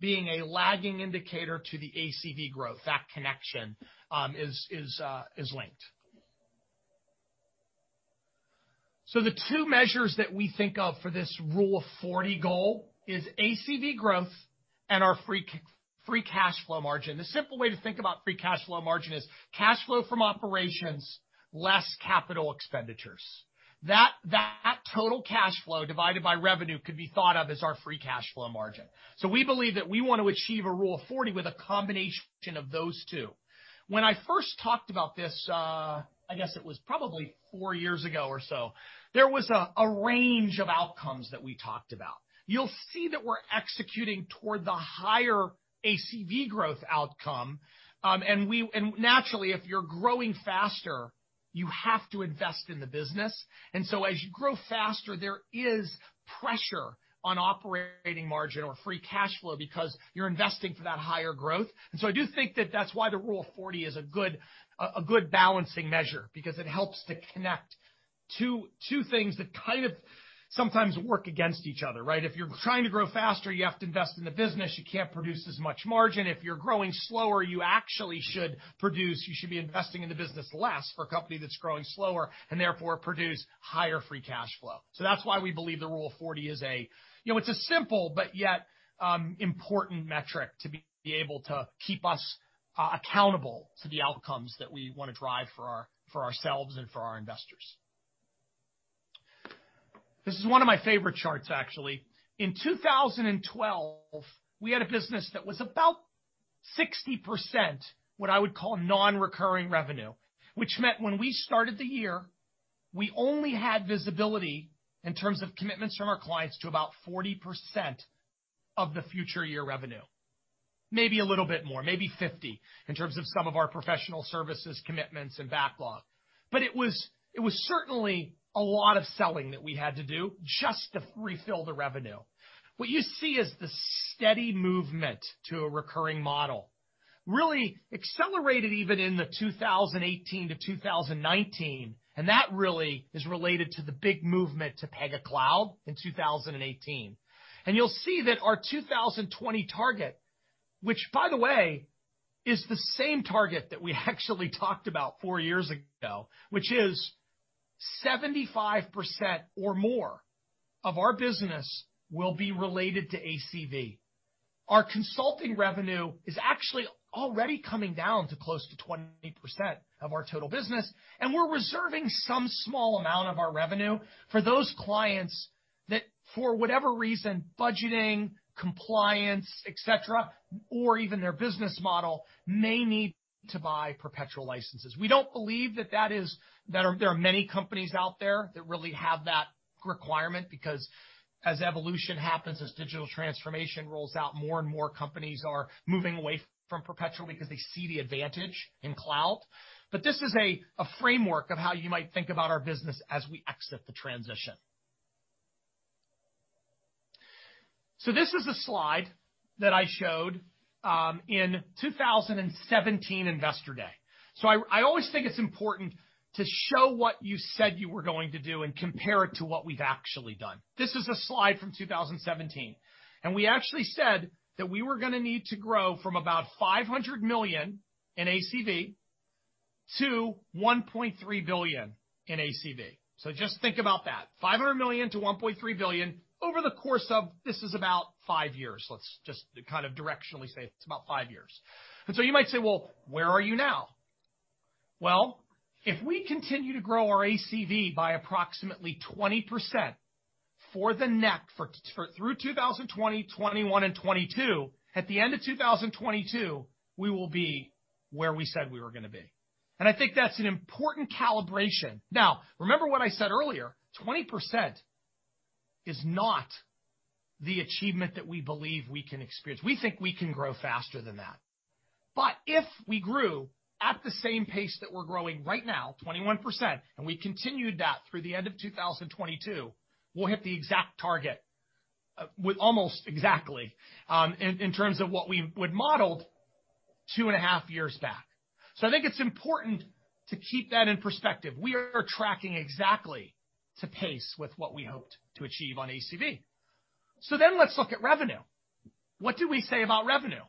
being a lagging indicator to the ACV growth. That connection is linked. The two measures that we think of for this Rule of 40 goal is ACV growth and our free cash flow margin. The simple way to think about free cash flow margin is cash flow from operations less capital expenditures. That total cash flow divided by revenue could be thought of as our free cash flow margin. We believe that we want to achieve a Rule of 40 with a combination of those two. When I first talked about this, I guess it was probably four years ago or so, there was a range of outcomes that we talked about. You'll see that we're executing toward the higher ACV growth outcome, naturally, if you're growing faster, you have to invest in the business. As you grow faster, there is pressure on operating margin or free cash flow because you're investing for that higher growth. I do think that that's why the Rule of 40 is a good balancing measure because it helps to connect two things that kind of sometimes work against each other, right. If you're trying to grow faster, you have to invest in the business, you can't produce as much margin. If you're growing slower, you actually should be investing in the business less for a company that's growing slower and therefore produce higher free cash flow. That's why we believe the Rule of 40 is a simple but yet important metric to be able to keep us accountable to the outcomes that we want to drive for ourselves and for our investors. This is one of my favorite charts, actually. In 2012, we had a business that was about 60%, what I would call non-recurring revenue, which meant when we started the year, we only had visibility in terms of commitments from our clients to about 40% of the future year revenue. Maybe a little bit more, maybe 50%, in terms of some of our professional services commitments and backlog. It was certainly a lot of selling that we had to do just to refill the revenue. What you see is the steady movement to a recurring model really accelerated even in the 2018 to 2019, and that really is related to the big movement to Pega Cloud in 2018. You'll see that our 2020 target, which by the way, is the same target that we actually talked about four years ago, which is 75% or more of our business will be related to ACV. Our consulting revenue is actually already coming down to close to 20% of our total business, and we're reserving some small amount of our revenue for those clients that, for whatever reason, budgeting, compliance, et cetera, or even their business model, may need to buy perpetual licenses. We don't believe that there are many companies out there that really have that requirement, because as evolution happens, as digital transformation rolls out, more and more companies are moving away from perpetual because they see the advantage in cloud. This is a framework of how you might think about our business as we exit the transition. This is a slide that I showed in 2017 Investor Day. I always think it's important to show what you said you were going to do and compare it to what we've actually done. This is a slide from 2017, we actually said that we were going to need to grow from about $500 million in ACV to $1.3 billion in ACV. Just think about that, $500 million to $1.3 billion over the course of, this is about five years. Let's just kind of directionally say it's about five years. You might say, "Well, where are you now?" Well, if we continue to grow our ACV by approximately 20% for the next, through 2020, 2021, and 2022, at the end of 2022, we will be where we said we were going to be. I think that's an important calibration. Remember what I said earlier, 20% is not the achievement that we believe we can experience. We think we can grow faster than that. If we grew at the same pace that we're growing right now, 21%, and we continued that through the end of 2022, we'll hit the exact target with almost exactly in terms of what we had modeled two and a half years back. I think it's important to keep that in perspective. We are tracking exactly to pace with what we hoped to achieve on ACV. Let's look at revenue. What did we say about revenue?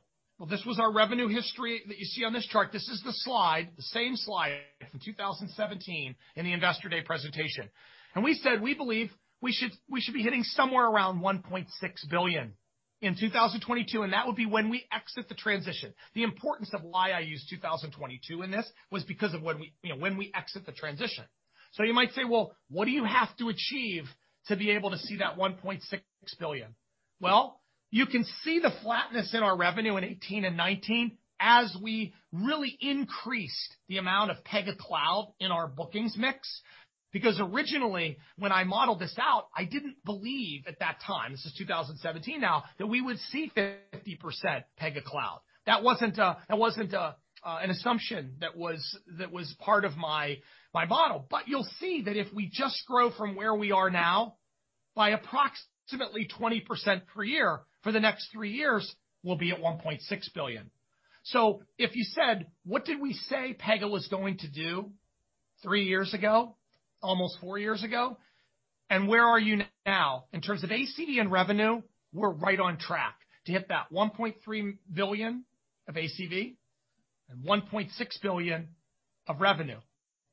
This was our revenue history that you see on this chart. This is the slide, the same slide from 2017 in the Investor Day presentation. We said we believe we should be hitting somewhere around $1.6 billion in 2022, and that would be when we exit the transition. The importance of why I use 2022 in this was because of when we exit the transition. You might say, "Well, what do you have to achieve to be able to see that $1.6 billion?" Well, you can see the flatness in our revenue in 2018 and 2019 as we really increased the amount of Pega Cloud in our bookings mix. Originally, when I modeled this out, I didn't believe at that time, this is 2017 now, that we would see 50% Pega Cloud. That wasn't an assumption that was part of my model. You'll see that if we just grow from where we are now by approximately 20% per year for the next three years, we'll be at $1.6 billion. If you said, what did we say Pega was going to do three years ago, almost four years ago? Where are you now? In terms of ACV and revenue, we're right on track to hit that $1.3 billion of ACV and $1.6 billion of revenue.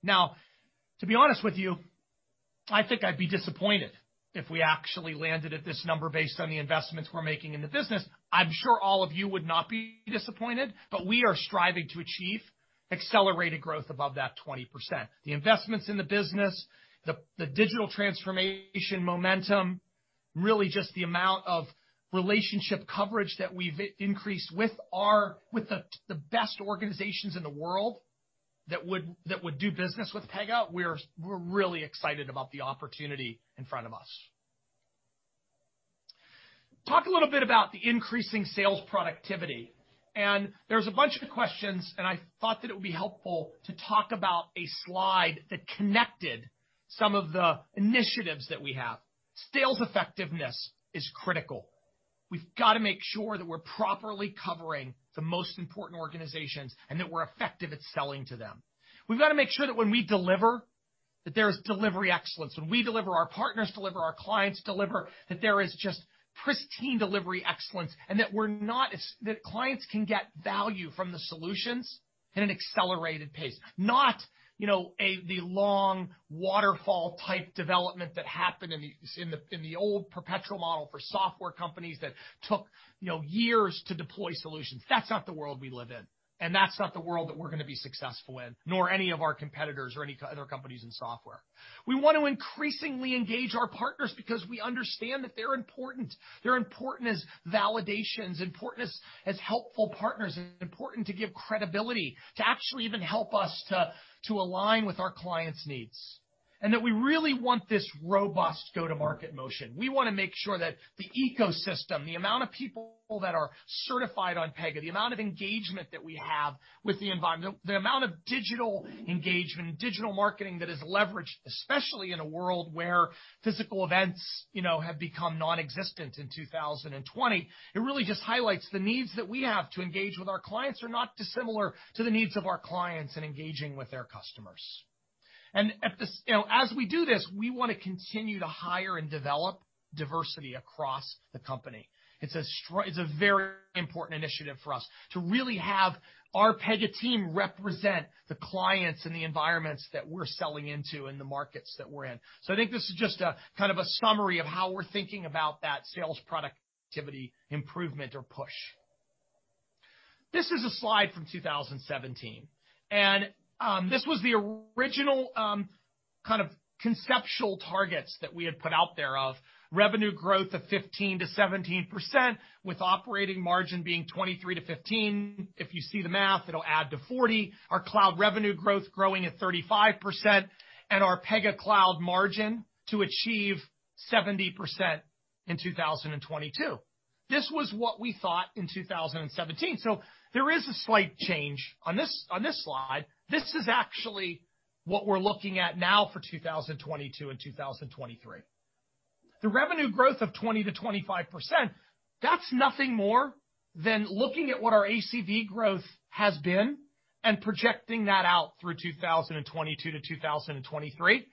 To be honest with you, I think I'd be disappointed if we actually landed at this number based on the investments we're making in the business. I'm sure all of you would not be disappointed, but we are striving to achieve accelerated growth above that 20%. The investments in the business, the digital transformation momentum, really just the amount of relationship coverage that we've increased with the best organizations in the world that would do business with Pega, we're really excited about the opportunity in front of us. Talk a little bit about the increasing sales productivity. There's a bunch of questions, and I thought that it would be helpful to talk about a slide that connected some of the initiatives that we have. Sales effectiveness is critical. We've got to make sure that we're properly covering the most important organizations and that we're effective at selling to them. We've got to make sure that when we deliver, that there is delivery excellence. When we deliver, our partners deliver, our clients deliver, that there is just pristine delivery excellence, and that clients can get value from the solutions at an accelerated pace. Not the long waterfall type development that happened in the old perpetual model for software companies that took years to deploy solutions. That's not the world we live in, and that's not the world that we're going to be successful in, nor any of our competitors or any other companies in software. We want to increasingly engage our partners because we understand that they're important. They're important as validations, important as helpful partners, and important to give credibility to actually even help us to align with our clients' needs. That we really want this robust go-to-market motion. We want to make sure that the ecosystem, the amount of people that are certified on Pega, the amount of engagement that we have with the environment, the amount of digital engagement and digital marketing that is leveraged, especially in a world where physical events have become nonexistent in 2020. It really just highlights the needs that we have to engage with our clients are not dissimilar to the needs of our clients in engaging with their customers. As we do this, we want to continue to hire and develop diversity across the company. It's a very important initiative for us to really have our Pega team represent the clients and the environments that we're selling into and the markets that we're in. I think this is just a kind of a summary of how we're thinking about that sales productivity improvement or push. This is a slide from 2017. This was the original kind of conceptual targets that we had put out there of revenue growth of 15%-17%, with operating margin being 23%-15%. If you see the math, it'll add to 40%. Our cloud revenue growth growing at 35%. Our Pega Cloud margin to achieve 70% in 2022. This was what we thought in 2017. There is a slight change on this slide. This is actually what we're looking at now for 2022 and 2023. The revenue growth of 20%-25%, that's nothing more than looking at what our ACV growth has been and projecting that out through 2022-2023.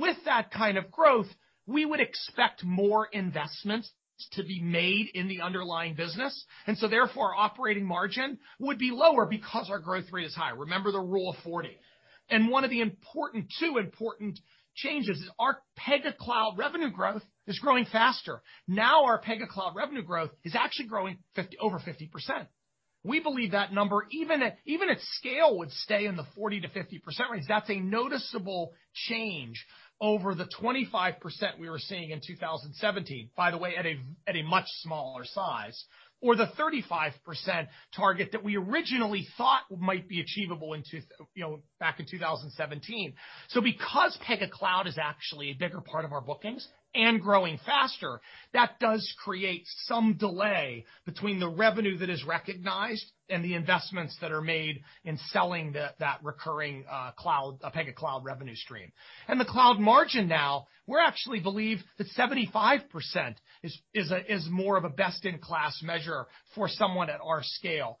With that kind of growth, we would expect more investments to be made in the underlying business. Therefore, our operating margin would be lower because our growth rate is high. Remember the Rule of 40. One of the two important changes is our Pega Cloud revenue growth is growing faster. Now, our Pega Cloud revenue growth is actually growing over 50%. We believe that number, even at scale, would stay in the 40%-50% range. That's a noticeable change over the 25% we were seeing in 2017, by the way, at a much smaller size. The 35% target that we originally thought might be achievable back in 2017. Because Pega Cloud is actually a bigger part of our bookings and growing faster, that does create some delay between the revenue that is recognized and the investments that are made in selling that recurring Pega Cloud revenue stream. The cloud margin now, we actually believe that 75% is more of a best-in-class measure for someone at our scale.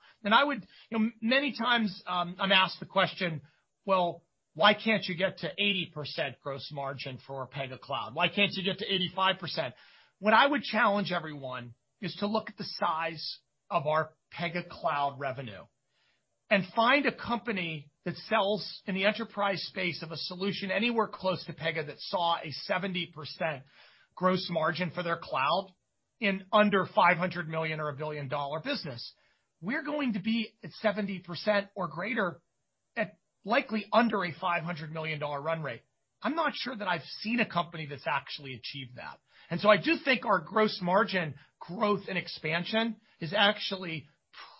Many times I'm asked the question, "Well, why can't you get to 80% gross margin for Pega Cloud? Why can't you get to 85%?" What I would challenge everyone is to look at the size of our Pega Cloud revenue and find a company that sells in the enterprise space of a solution anywhere close to Pega that saw a 70% gross margin for their cloud in under $500 million or a billion-dollar business. We're going to be at 70% or greater at likely under a $500 million run rate. I'm not sure that I've seen a company that's actually achieved that. I do think our gross margin growth and expansion is actually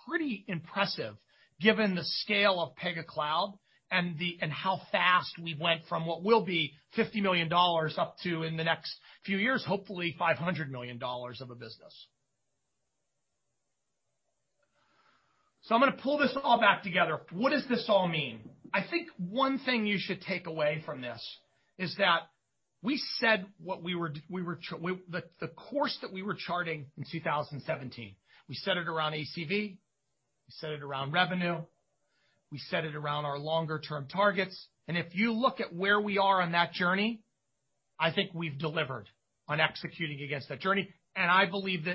pretty impressive given the scale of Pega Cloud and how fast we went from what will be $50 million up to, in the next few years, hopefully $500 million of a business. I'm going to pull this all back together. What does this all mean? I think one thing you should take away from this is that we said the course that we were charting in 2017, we set it around ACV, we set it around revenue, we set it around our longer-term targets. If you look at where we are on that journey, I think we've delivered on executing against that journey. I believe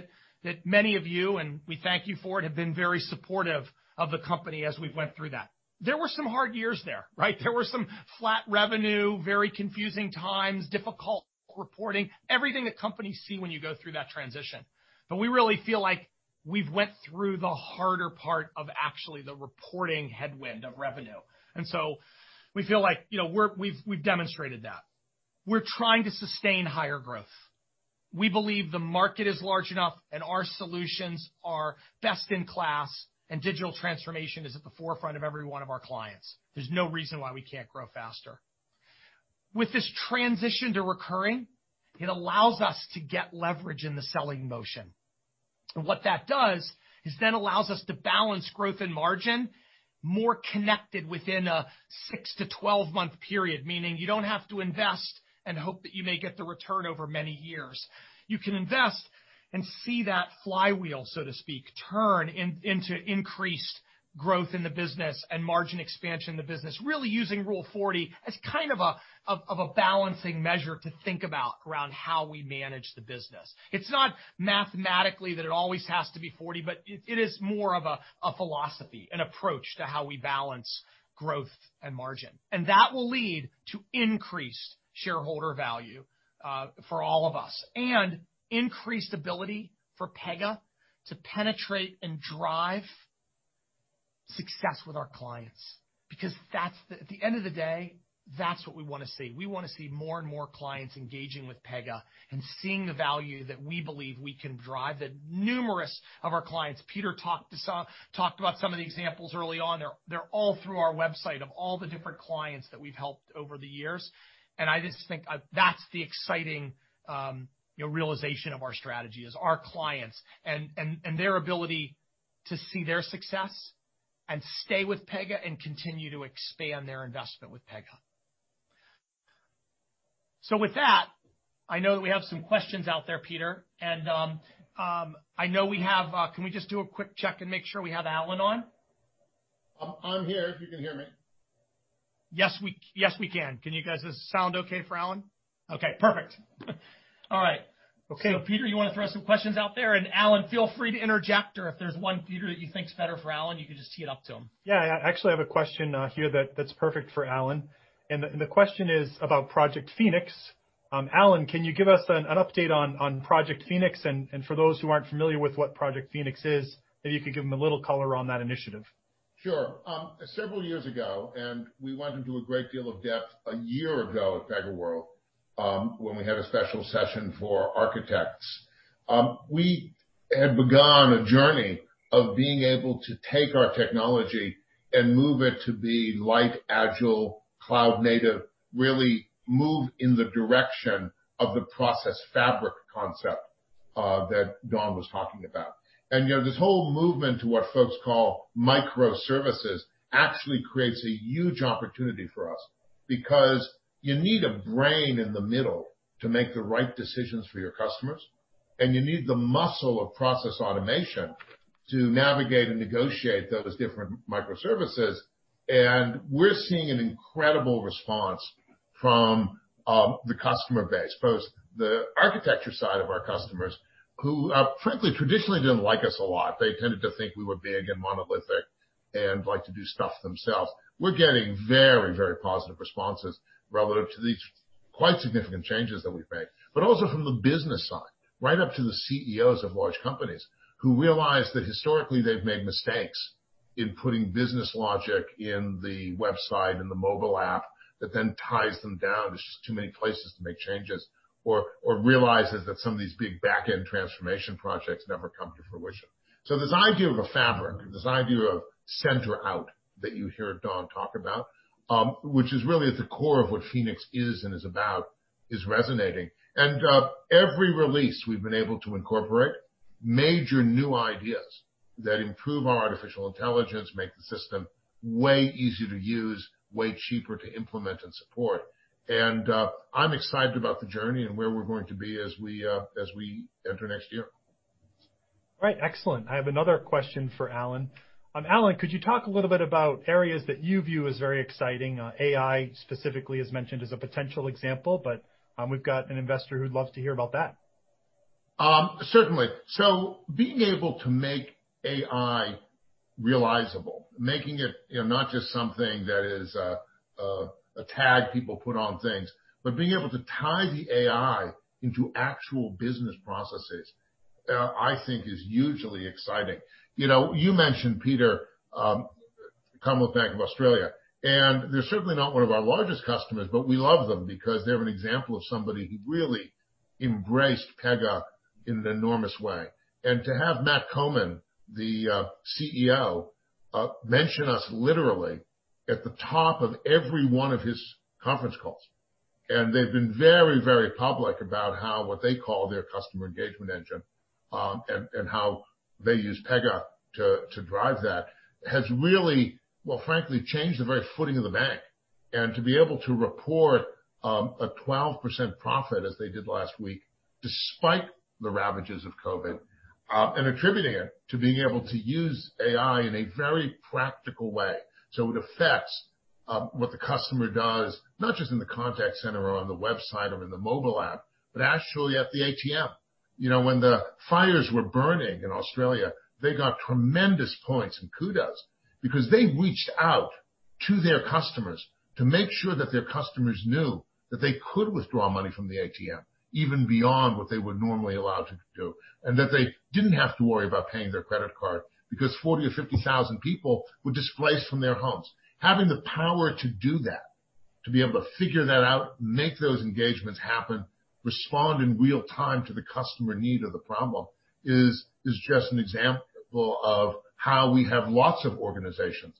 that many of you, and we thank you for it, have been very supportive of the company as we've went through that. There were some hard years there, right? There were some flat revenue, very confusing times, difficult reporting, everything that companies see when you go through that transition. We really feel like we've went through the harder part of actually the reporting headwind of revenue. We feel like we've demonstrated that. We're trying to sustain higher growth. We believe the market is large enough, and our solutions are best in class, and digital transformation is at the forefront of every one of our clients. There's no reason why we can't grow faster. With this transition to recurring, it allows us to get leverage in the selling motion. What that does is allows us to balance growth and margin more connected within a six to 12-month period, meaning you don't have to invest and hope that you may get the return over many years. You can invest and see that flywheel, so to speak, turn into increased growth in the business and margin expansion in the business, really using Rule 40 as kind of a balancing measure to think about around how we manage the business. It's not mathematically that it always has to be 40, but it is more of a philosophy, an approach to how we balance growth and margin. That will lead to increased shareholder value for all of us and increased ability for Pega to penetrate and drive success with our clients. At the end of the day, that's what we want to see. We want to see more and more clients engaging with Pega and seeing the value that we believe we can drive, that numerous of our clients, Peter talked about some of the examples early on. They're all through our website, of all the different clients that we've helped over the years. I just think that's the exciting realization of our strategy is our clients and their ability to see their success and stay with Pega and continue to expand their investment with Pega. With that, I know that we have some questions out there, Peter. Can we just do a quick check and make sure we have Alan on? I'm here if you can hear me. Yes, we can. Does it sound okay for Alan? Okay, perfect. All right. Okay. Peter, you want to throw some questions out there? Alan, feel free to interject, or if there's one, Peter, that you think is better for Alan, you can just tee it up to him. Yeah. I actually have a question here that's perfect for Alan. The question is about Project Phoenix. Alan, can you give us an update on Project Phoenix? For those who aren't familiar with what Project Phoenix is, maybe you could give them a little color on that initiative. Sure. Several years ago, we went into a great deal of depth a year ago at PegaWorld, when we had a special session for architects. We had begun a journey of being able to take our technology and move it to be light, agile, cloud native, really move in the direction of the process fabric concept, that Don was talking about. This whole movement to what folks call microservices actually creates a huge opportunity for us, because you need a brain in the middle to make the right decisions for your customers. You need the muscle of process automation to navigate and negotiate those different microservices. We're seeing an incredible response from the customer base, both the architecture side of our customers, who frankly traditionally didn't like us a lot. They tended to think we were big and monolithic and liked to do stuff themselves. We're getting very positive responses relative to these quite significant changes that we've made. Also from the business side, right up to the CEOs of large companies who realize that historically they've made mistakes in putting business logic in the website and the mobile app that then ties them down. There's just too many places to make changes. Realizes that some of these big backend transformation projects never come to fruition. This idea of a fabric, this idea of center-out that you hear Don talk about, which is really at the core of what Phoenix is and is about, is resonating. Every release we've been able to incorporate major new ideas that improve our artificial intelligence, make the system way easier to use, way cheaper to implement and support. I'm excited about the journey and where we're going to be as we enter next year. Right. Excellent. I have another question for Alan. Alan, could you talk a little bit about areas that you view as very exciting? AI specifically is mentioned as a potential example. We've got an investor who'd love to hear about that. Certainly. Being able to make AI realizable, making it not just something that is a tag people put on things, but being able to tie the AI into actual business processes, I think is hugely exciting. You mentioned, Peter, Commonwealth Bank of Australia. They're certainly not one of our largest customers, but we love them because they're an example of somebody who really embraced Pega in an enormous way. To have Matt Comyn, the CEO, mention us literally at the top of every one of his conference calls, and they've been very public about how, what they call their Customer Engagement Engine, and how they use Pega to drive that has really, well, frankly, changed the very footing of the bank. To be able to report a 12% profit as they did last week, despite the ravages of COVID, and attributing it to being able to use AI in a very practical way. It affects what the customer does, not just in the contact center or on the website or in the mobile app, but actually at the ATM. When the fires were burning in Australia, they got tremendous points and kudos because they reached out to their customers to make sure that their customers knew that they could withdraw money from the ATM, even beyond what they were normally allowed to do, and that they didn't have to worry about paying their credit card because 40,000 or 50,000 people were displaced from their homes. Having the power to do that, to be able to figure that out, make those engagements happen, respond in real time to the customer need or the problem is just an example of how we have lots of organizations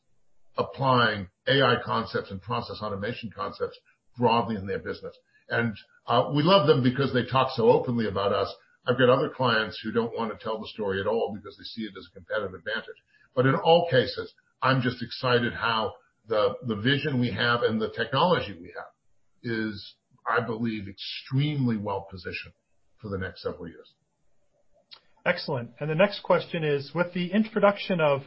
applying AI concepts and process automation concepts broadly in their business. We love them because they talk so openly about us. I've got other clients who don't want to tell the story at all because they see it as a competitive advantage. In all cases, I'm just excited how the vision we have and the technology we have is, I believe, extremely well-positioned for the next several years. Excellent. The next question is: with the introduction of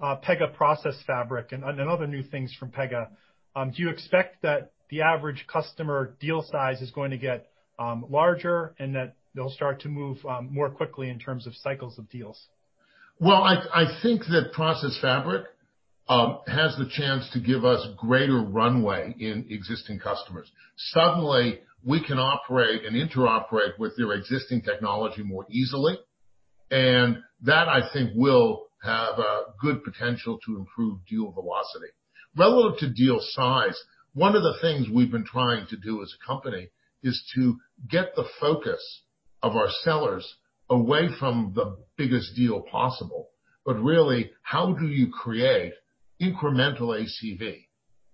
Pega Process Fabric and other new things from Pega, do you expect that the average customer deal size is going to get larger and that they'll start to move more quickly in terms of cycles of deals? I think that Process Fabric has the chance to give us greater runway in existing customers. Suddenly, we can operate and interoperate with their existing technology more easily, and that, I think, will have a good potential to improve deal velocity. Relative to deal size, one of the things we've been trying to do as a company is to get the focus of our sellers away from the biggest deal possible. Really, how do you create incremental ACV?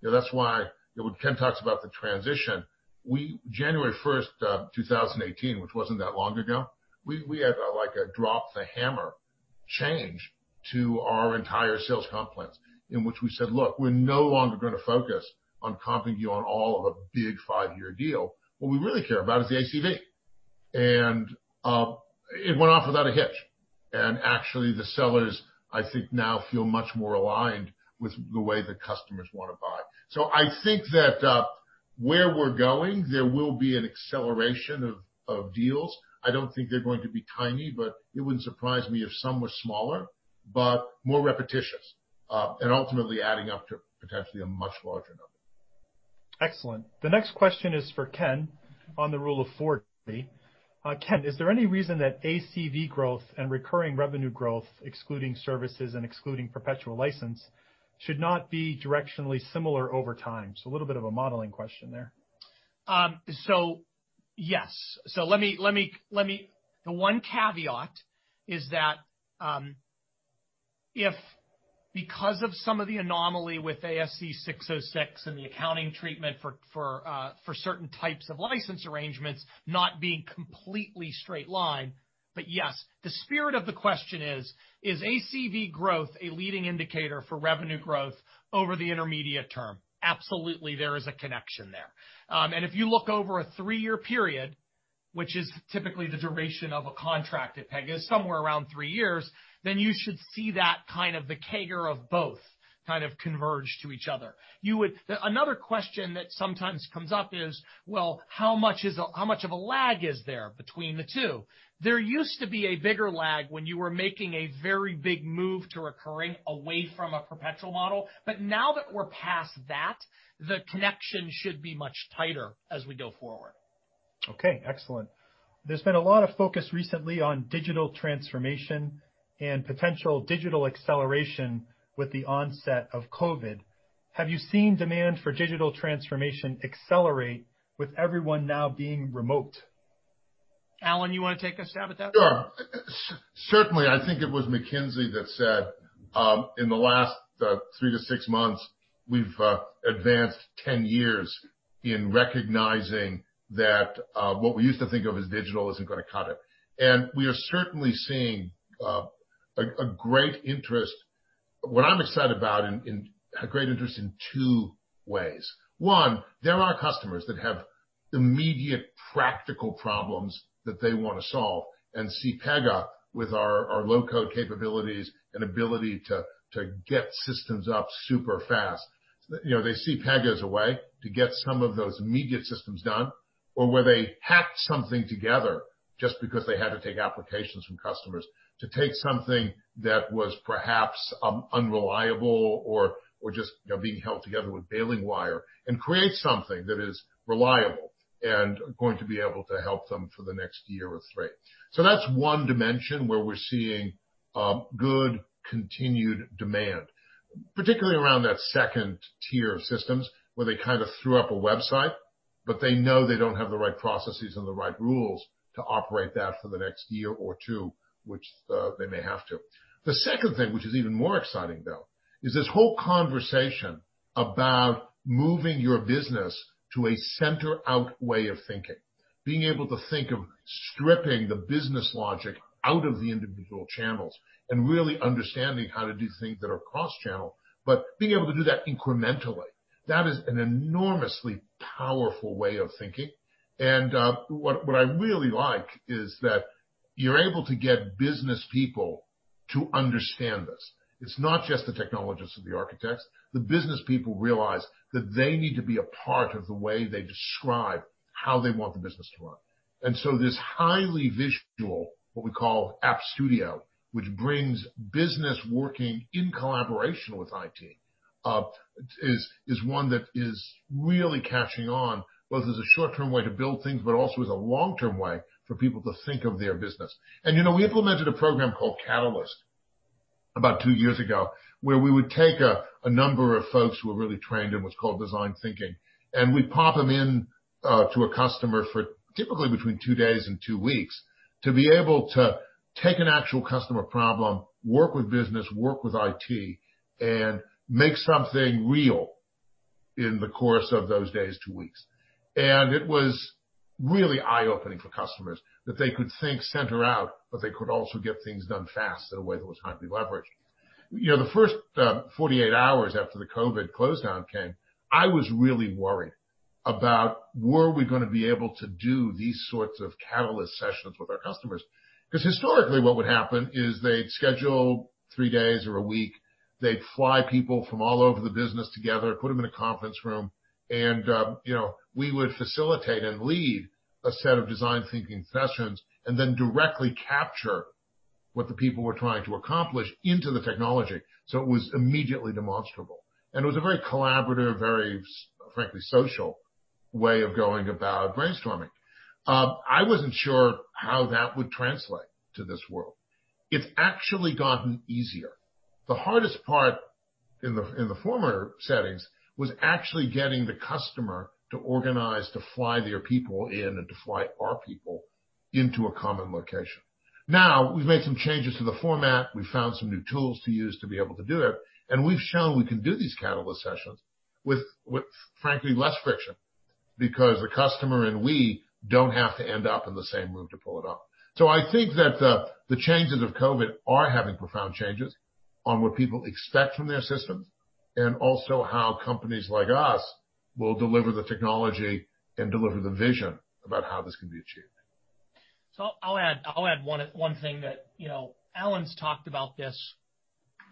That's why when Ken talks about the transition, January 1st of 2018, which wasn't that long ago, we had a drop-the-hammer change to our entire sales complex in which we said, "Look, we're no longer going to focus on comping you on all of a big five-year deal." What we really care about is the ACV. It went off without a hitch. Actually, the sellers, I think now feel much more aligned with the way the customers want to buy. I think that where we're going, there will be an acceleration of deals. I don't think they're going to be tiny, but it wouldn't surprise me if some were smaller, but more repetitious, ultimately adding up to potentially a much larger number. Excellent. The next question is for Ken on the Rule of 40. Ken, is there any reason that ACV growth and recurring revenue growth, excluding services and excluding perpetual license, should not be directionally similar over time? A little bit of a modeling question there. Yes. The one caveat is that if because of some of the anomaly with ASC 606 and the accounting treatment for certain types of license arrangements not being completely straight line. Yes. The spirit of the question is ACV growth a leading indicator for revenue growth over the intermediate term? Absolutely. There is a connection there. If you look over a three-year period, which is typically the duration of a contract at Pega, somewhere around three years, then you should see that kind of the CAGR of both kind of converge to each other. A question that sometimes comes up is, well, how much of a lag is there between the two? There used to be a bigger lag when you were making a very big move to recurring away from a perpetual model. Now that we're past that, the connection should be much tighter as we go forward. Okay, excellent. There's been a lot of focus recently on digital transformation and potential digital acceleration with the onset of COVID. Have you seen demand for digital transformation accelerate with everyone now being remote? Alan, you want to take a stab at that one? Sure. Certainly, I think it was McKinsey that said, in the last three to six months, we've advanced 10 years in recognizing that what we used to think of as digital isn't going to cut it. We are certainly seeing a great interest. What I'm excited about, a great interest in two ways. One, there are customers that have immediate practical problems that they want to solve and see Pega with our low-code capabilities and ability to get systems up super fast. They see Pega as a way to get some of those immediate systems done, or where they hacked something together just because they had to take applications from customers to take something that was perhaps unreliable or just being held together with baling wire and create something that is reliable and going to be able to help them for the next year or three. That's one dimension where we're seeing good continued demand, particularly around that second tier of systems where they kind of threw up a website, but they know they don't have the right processes and the right rules to operate that for the next year or two, which they may have to. The second thing, which is even more exciting though, is this whole conversation about moving your business to a center-out way of thinking, being able to think of stripping the business logic out of the individual channels and really understanding how to do things that are cross-channel, but being able to do that incrementally. That is an enormously powerful way of thinking. What I really like is that you're able to get business people to understand this. It's not just the technologists or the architects. The business people realize that they need to be a part of the way they describe how they want the business to run. This highly visual, what we call App Studio, which brings business working in collaboration with IT, is one that is really catching on, both as a short-term way to build things, but also as a long-term way for people to think of their business. We implemented a program called Catalyst about two years ago, where we would take a number of folks who are really trained in what's called design thinking, and we'd pop them in to a customer for typically between two days and two weeks to be able to take an actual customer problem, work with business, work with IT, and make something real in the course of those days, two weeks. It was really eye-opening for customers that they could think center-out, but they could also get things done fast in a way that was highly leveraged. The first 48 hours after the COVID closedown came, I was really worried about were we going to be able to do these sorts of Pega Catalyst sessions with our customers. Historically, what would happen is they'd schedule three days or a week. They'd fly people from all over the business together, put them in a conference room, and we would facilitate and lead a set of design thinking sessions and then directly capture what the people were trying to accomplish into the technology, so it was immediately demonstrable. It was a very collaborative, very frankly, social way of going about brainstorming. I wasn't sure how that would translate to this world. It's actually gotten easier. The hardest part in the former settings was actually getting the customer to organize to fly their people in and to fly our people into a common location. Now, we've made some changes to the format. We've found some new tools to use to be able to do it, and we've shown we can do these Catalyst sessions with frankly, less friction because the customer and we don't have to end up in the same room to pull it off. I think that the changes of COVID are having profound changes on what people expect from their systems and also how companies like us will deliver the technology and deliver the vision about how this can be achieved. I'll add one thing that, Alan's talked about this,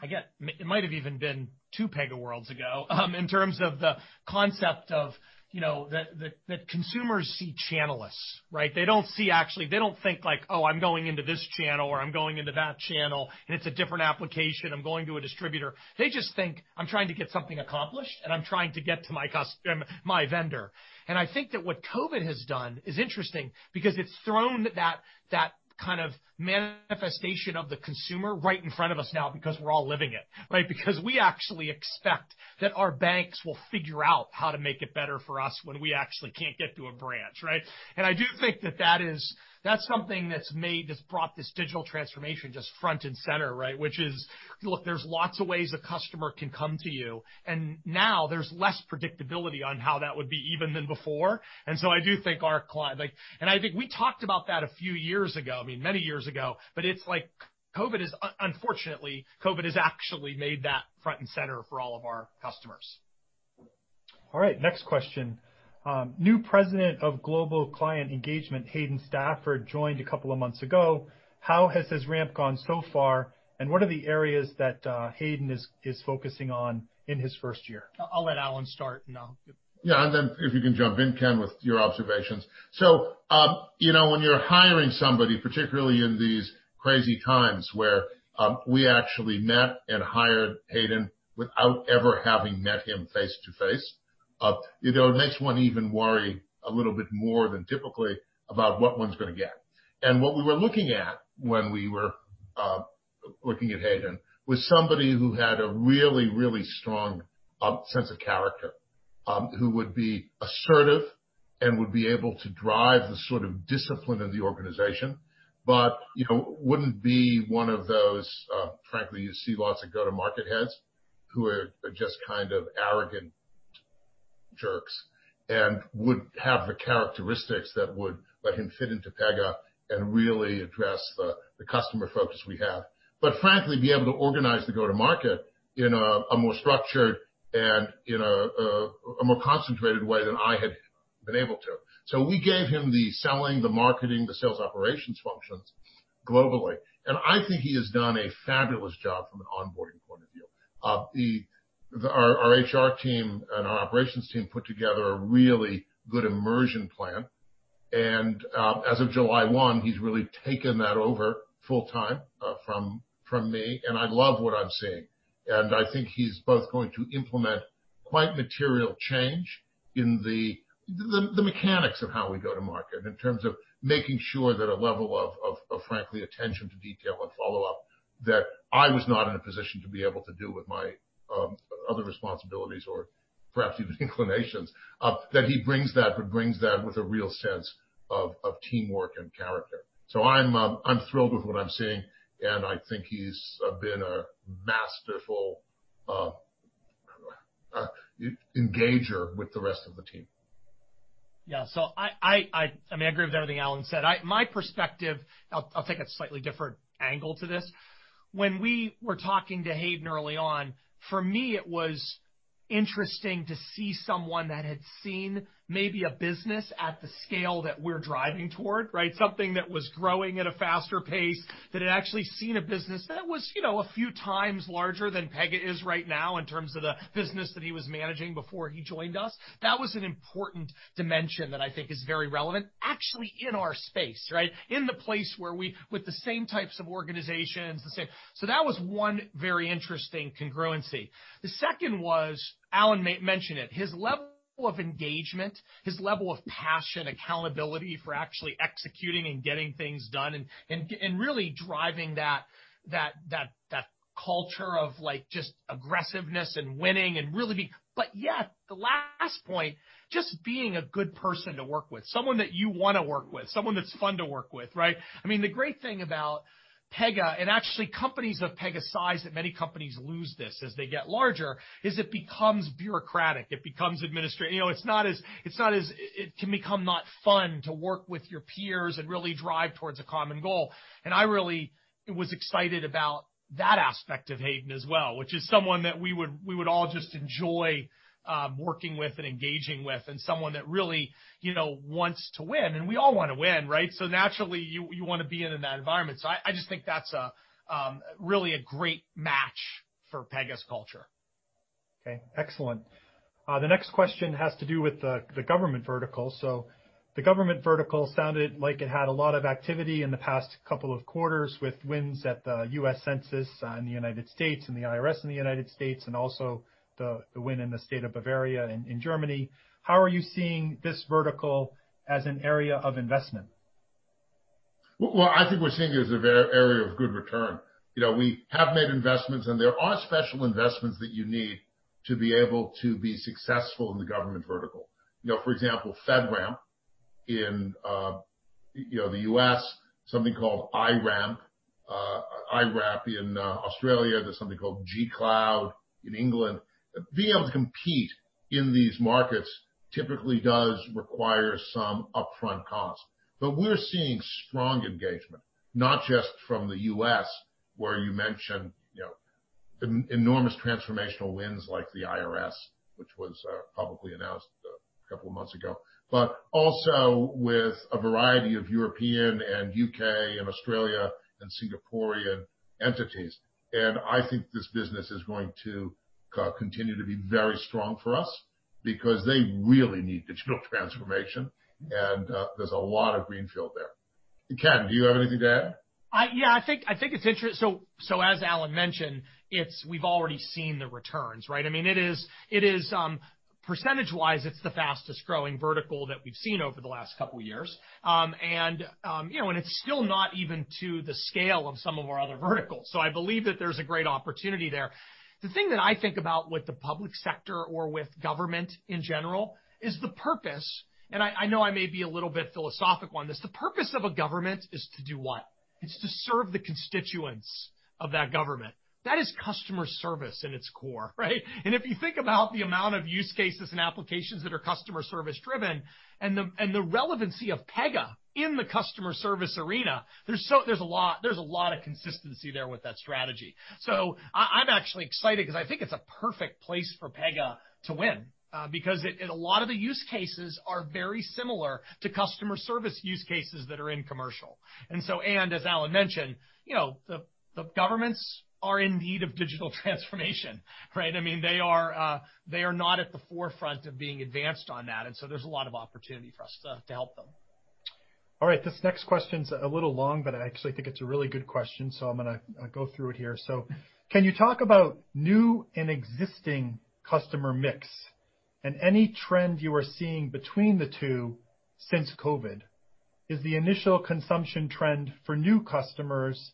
I guess it might have even been two PegaWorld ago, in terms of the concept of that consumers see channel-less, right? They don't think like, "Oh, I'm going into this channel," or, "I'm going into that channel, and it's a different application. I'm going to a distributor." They just think, "I'm trying to get something accomplished, and I'm trying to get to my vendor." I think that what COVID has done is interesting because it's thrown that kind of manifestation of the consumer right in front of us now because we're all living it. Right? Because we actually expect that our banks will figure out how to make it better for us when we actually can't get to a branch. Right? I do think that that's something that's brought this digital transformation just front and center. Right? Which is, look, there's lots of ways a customer can come to you, and now there's less predictability on how that would be even than before. I think we talked about that a few years ago, I mean, many years ago, but it's like unfortunately, COVID has actually made that front and center for all of our customers. All right, next question. New President of Global Client Engagement, Hayden Stafford, joined a couple of months ago. How has his ramp gone so far, and what are the areas that Hayden is focusing on in his first year? I'll let Alan start. Yeah. If you can jump in, Ken, with your observations. When you're hiring somebody, particularly in these crazy times where we actually met and hired Hayden without ever having met him face-to-face. It makes one even worry a little bit more than typically about what one's going to get. What we were looking at when we were looking at Hayden was somebody who had a really, really strong sense of character, who would be assertive and would be able to drive the sort of discipline of the organization. Wouldn't be one of those, frankly, you see lots of go-to-market heads who are just kind of arrogant jerks and would have the characteristics that would let him fit into Pega and really address the customer focus we have. Frankly, be able to organize the go-to market in a more structured and in a more concentrated way than I had been able to. We gave him the selling, the marketing, the sales operations functions globally. I think he has done a fabulous job from an onboarding point of view. Our HR team and our operations team put together a really good immersion plan, and as of July 1, he's really taken that over full time from me, and I love what I'm seeing. I think he's both going to implement quite material change in the mechanics of how we go to market in terms of making sure that a level of frankly attention to detail and follow-up that I was not in a position to be able to do with my other responsibilities or perhaps even inclinations. He brings that with a real sense of teamwork and character. I'm thrilled with what I'm seeing, and I think he's been a masterful engager with the rest of the team. Yeah. I agree with everything Alan said. My perspective, I'll take a slightly different angle to this. When we were talking to Hayden early on, for me, it was interesting to see someone that had seen maybe a business at the scale that we're driving toward, right? Something that was growing at a faster pace, that had actually seen a business that was a few times larger than Pega is right now in terms of the business that he was managing before he joined us. That was an important dimension that I think is very relevant, actually, in our space, right? In the place with the same types of organizations. That was one very interesting congruency. The second was, Alan mentioned it, his level of engagement, his level of passion, accountability for actually executing and getting things done and really driving that culture of just aggressiveness and winning. Yet, the last point, just being a good person to work with, someone that you want to work with, someone that's fun to work with, right? I mean, the great thing about Pega, and actually companies of Pega's size that many companies lose this as they get larger, is it becomes bureaucratic. It can become not fun to work with your peers and really drive towards a common goal. I really was excited about that aspect of Hayden as well, which is someone that we would all just enjoy working with and engaging with, and someone that really wants to win. We all want to win, right? Naturally, you want to be in that environment. I just think that's really a great match for Pega's culture. Okay, excellent. The next question has to do with the government vertical. The government vertical sounded like it had a lot of activity in the past couple of quarters with wins at the US Census in the United States and the IRS in the United States, and also the win in the state of Bavaria in Germany. How are you seeing this vertical as an area of investment? Well, I think we're seeing it as an area of good return. We have made investments, and there are special investments that you need to be able to be successful in the government vertical. For example, FedRAMP in the U.S., something called IRAP in Australia. There's something called G-Cloud in England. Being able to compete in these markets typically does require some upfront cost. We're seeing strong engagement, not just from the U.S., where you mentioned enormous transformational wins like the IRS, which was publicly announced a couple of months ago. Also with a variety of European and U.K. and Australia and Singaporean entities. I think this business is going to continue to be very strong for us because they really need digital transformation, and there's a lot of greenfield there. Ken, do you have anything to add? Yeah. As Alan mentioned, we've already seen the returns, right? Percentage-wise, it's the fastest-growing vertical that we've seen over the last couple of years. It's still not even to the scale of some of our other verticals. I believe that there's a great opportunity there. The thing that I think about with the public sector or with government in general is the purpose. I know I may be a little bit philosophical on this. The purpose of a government is to do what? It's to serve the constituents of that government. That is customer service in its core, right? If you think about the amount of use cases and applications that are customer service driven and the relevancy of Pega in the customer service arena, there's a lot of consistency there with that strategy. I'm actually excited because I think it's a perfect place for Pega to win. A lot of the use cases are very similar to customer service use cases that are in commercial. As Alan mentioned, the governments are in need of digital transformation, right? They are not at the forefront of being advanced on that. There's a lot of opportunity for us to help them. All right. This next question is a little long, but I actually think it's a really good question, so I'm going to go through it here. Can you talk about new and existing customer mix and any trend you are seeing between the two since COVID? Is the initial consumption trend for new customers,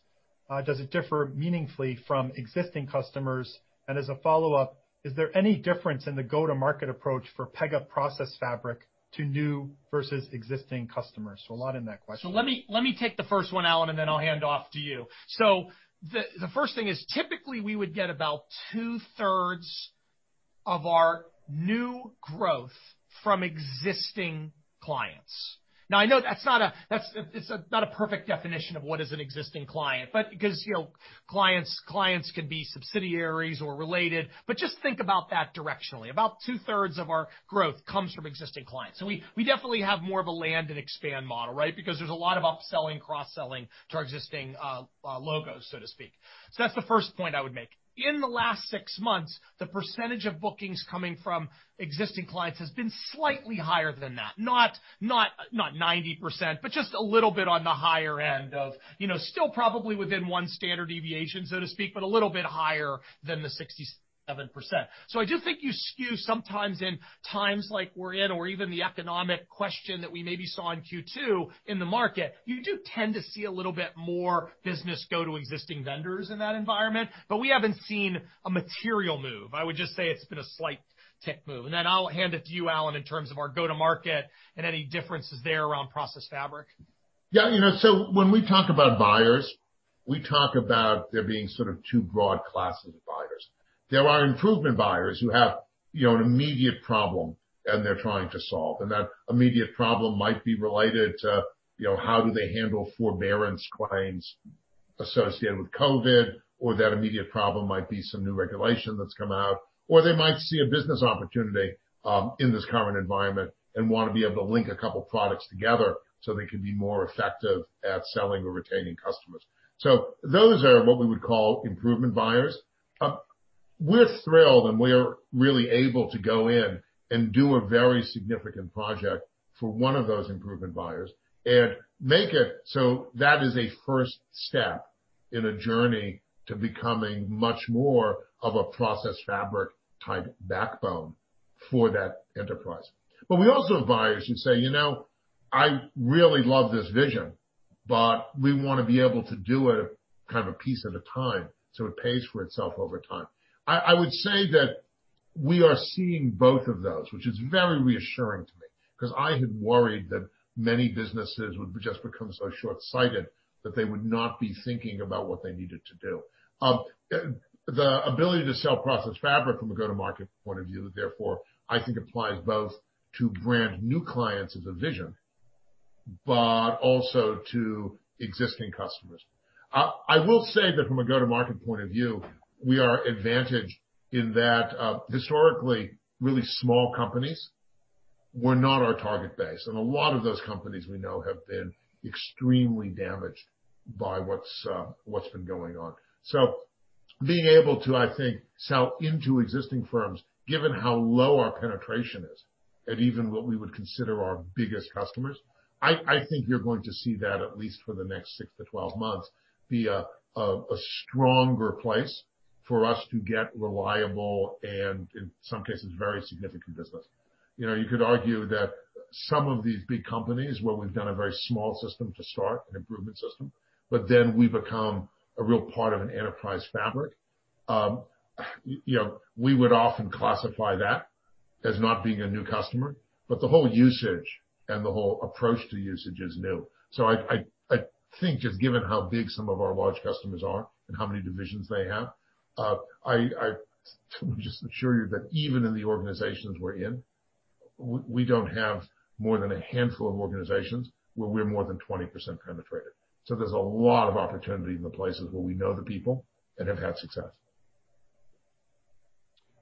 does it differ meaningfully from existing customers? As a follow-up, is there any difference in the go-to-market approach for Pega Process Fabric to new versus existing customers? A lot in that question. Let me take the first one, Alan, and then I'll hand off to you. The first thing is, typically we would get about two-thirds of our new growth from existing clients. I know that's not a perfect definition of what is an existing client, because clients can be subsidiaries or related, but just think about that directionally. About two-thirds of our growth comes from existing clients. We definitely have more of a land and expand model, right? There's a lot of upselling, cross-selling to our existing logos, so to speak. That's the first point I would make. In the last six months, the percentage of bookings coming from existing clients has been slightly higher than that. Not 90%, but just a little bit on the higher end of still probably within one standard deviation, so to speak, but a little bit higher than the 67%. I do think you skew sometimes in times like we're in, or even the economic question that we maybe saw in Q2 in the market, you do tend to see a little bit more business go to existing vendors in that environment. We haven't seen a material move. I would just say it's been a slight tick move. I'll hand it to you, Alan, in terms of our go-to-market and any differences there around Pega Process Fabric. When we talk about buyers, we talk about there being sort of two broad classes of buyers. There are improvement buyers who have an immediate problem and they're trying to solve. That immediate problem might be related to how do they handle forbearance claims associated with COVID, or that immediate problem might be some new regulation that's come out, or they might see a business opportunity in this current environment and want to be able to link a couple products together so they can be more effective at selling or retaining customers. Those are what we would call improvement buyers. We're thrilled and we're really able to go in and do a very significant project for one of those improvement buyers and make it so that is a first step in a journey to becoming much more of a Process Fabric-type backbone for that enterprise. We also have buyers who say, "I really love this vision, but we want to be able to do it kind of a piece at a time so it pays for itself over time." I would say that we are seeing both of those, which is very reassuring to me, because I had worried that many businesses would just become so shortsighted that they would not be thinking about what they needed to do. The ability to sell Process Fabric from a go-to-market point of view, therefore, I think applies both to brand new clients as a vision, but also to existing customers. I will say that from a go-to-market point of view, we are advantaged in that historically really small companies were not our target base, and a lot of those companies we know have been extremely damaged by what's been going on. Being able to, I think, sell into existing firms, given how low our penetration is at even what we would consider our biggest customers, I think you're going to see that at least for the next six to 12 months, be a stronger place for us to get reliable and in some cases, very significant business. You could argue that some of these big companies where we've done a very small system to start, an improvement system, but then we become a real part of an enterprise fabric. We would often classify that as not being a new customer, but the whole usage and the whole approach to usage is new. I think just given how big some of our large customers are and how many divisions they have, I would just assure you that even in the organizations we're in. We don't have more than a handful of organizations where we're more than 20% penetrated. There's a lot of opportunity in the places where we know the people and have had success.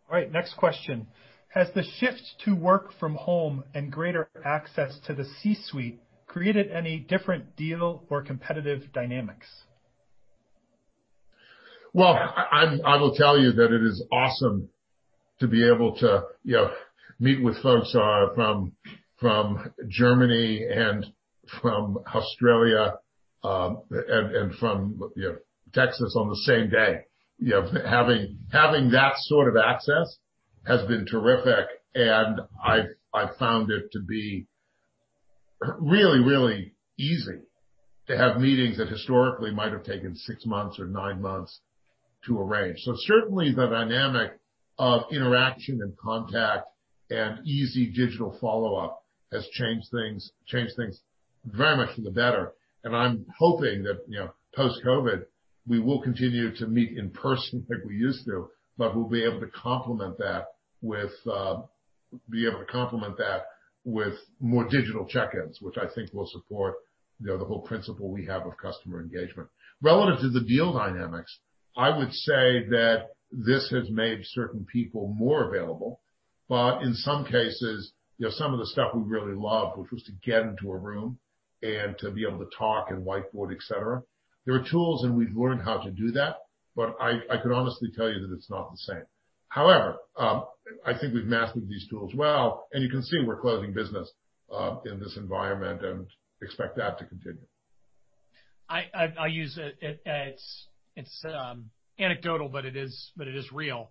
All right, next question. Has the shift to work from home and greater access to the C-suite created any different deal or competitive dynamics? I will tell you that it is awesome to be able to meet with folks from Germany and from Australia, and from Texas on the same day. Having that sort of access has been terrific, and I've found it to be really easy to have meetings that historically might have taken six months or nine months to arrange. Certainly the dynamic of interaction and contact and easy digital follow-up has changed things very much for the better. I'm hoping that post-COVID, we will continue to meet in person like we used to, but we'll be able to complement that with more digital check-ins, which I think will support the whole principle we have of customer engagement. Relative to the deal dynamics, I would say that this has made certain people more available. In some cases, some of the stuff we really love, which was to get into a room and to be able to talk and whiteboard, et cetera, there are tools, and we've learned how to do that. I can honestly tell you that it's not the same. However, I think we've mastered these tools well, and you can see we're closing business in this environment and expect that to continue. I use it. It's anecdotal, but it is real.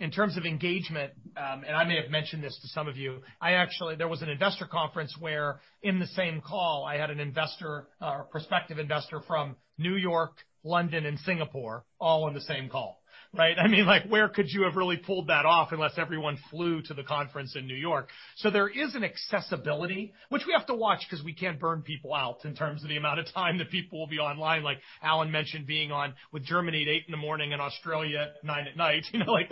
In terms of engagement, I may have mentioned this to some of you, there was an investor conference where in the same call, I had an investor or prospective investor from New York, London, and Singapore all on the same call. Right? Where could you have really pulled that off unless everyone flew to the conference in New York? There is an accessibility, which we have to watch because we can't burn people out in terms of the amount of time that people will be online. Like Alan mentioned, being on with Germany at 8:00 in the morning and Australia at 9:00 at night,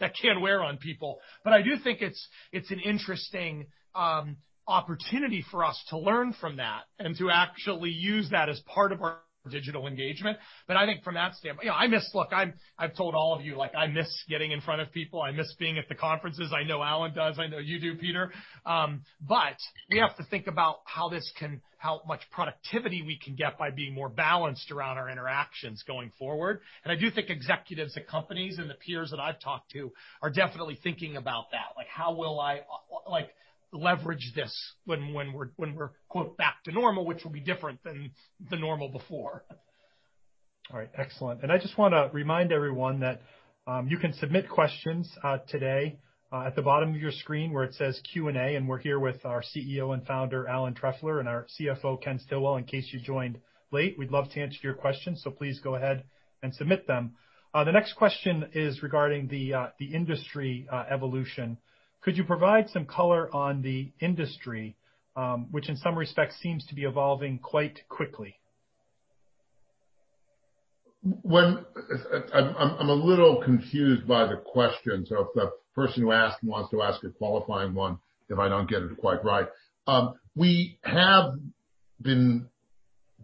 that can wear on people. I do think it's an interesting opportunity for us to learn from that and to actually use that as part of our digital engagement. I think from that standpoint, look, I've told all of you, I miss getting in front of people. I miss being at the conferences. I know Alan does. I know you do, Peter. We have to think about how much productivity we can get by being more balanced around our interactions going forward. I do think executives at companies and the peers that I've talked to are definitely thinking about that. How will I leverage this when we're "back to normal", which will be different than the normal before? All right, excellent. I just want to remind everyone that you can submit questions today at the bottom of your screen where it says Q&A, and we're here with our CEO and founder, Alan Trefler, and our CFO, Ken Stillwell, in case you joined late. We'd love to answer your questions, please go ahead and submit them. The next question is regarding the industry evolution. Could you provide some color on the industry, which in some respects seems to be evolving quite quickly? I'm a little confused by the question. If the person who asked wants to ask a qualifying one, if I don't get it quite right. We have been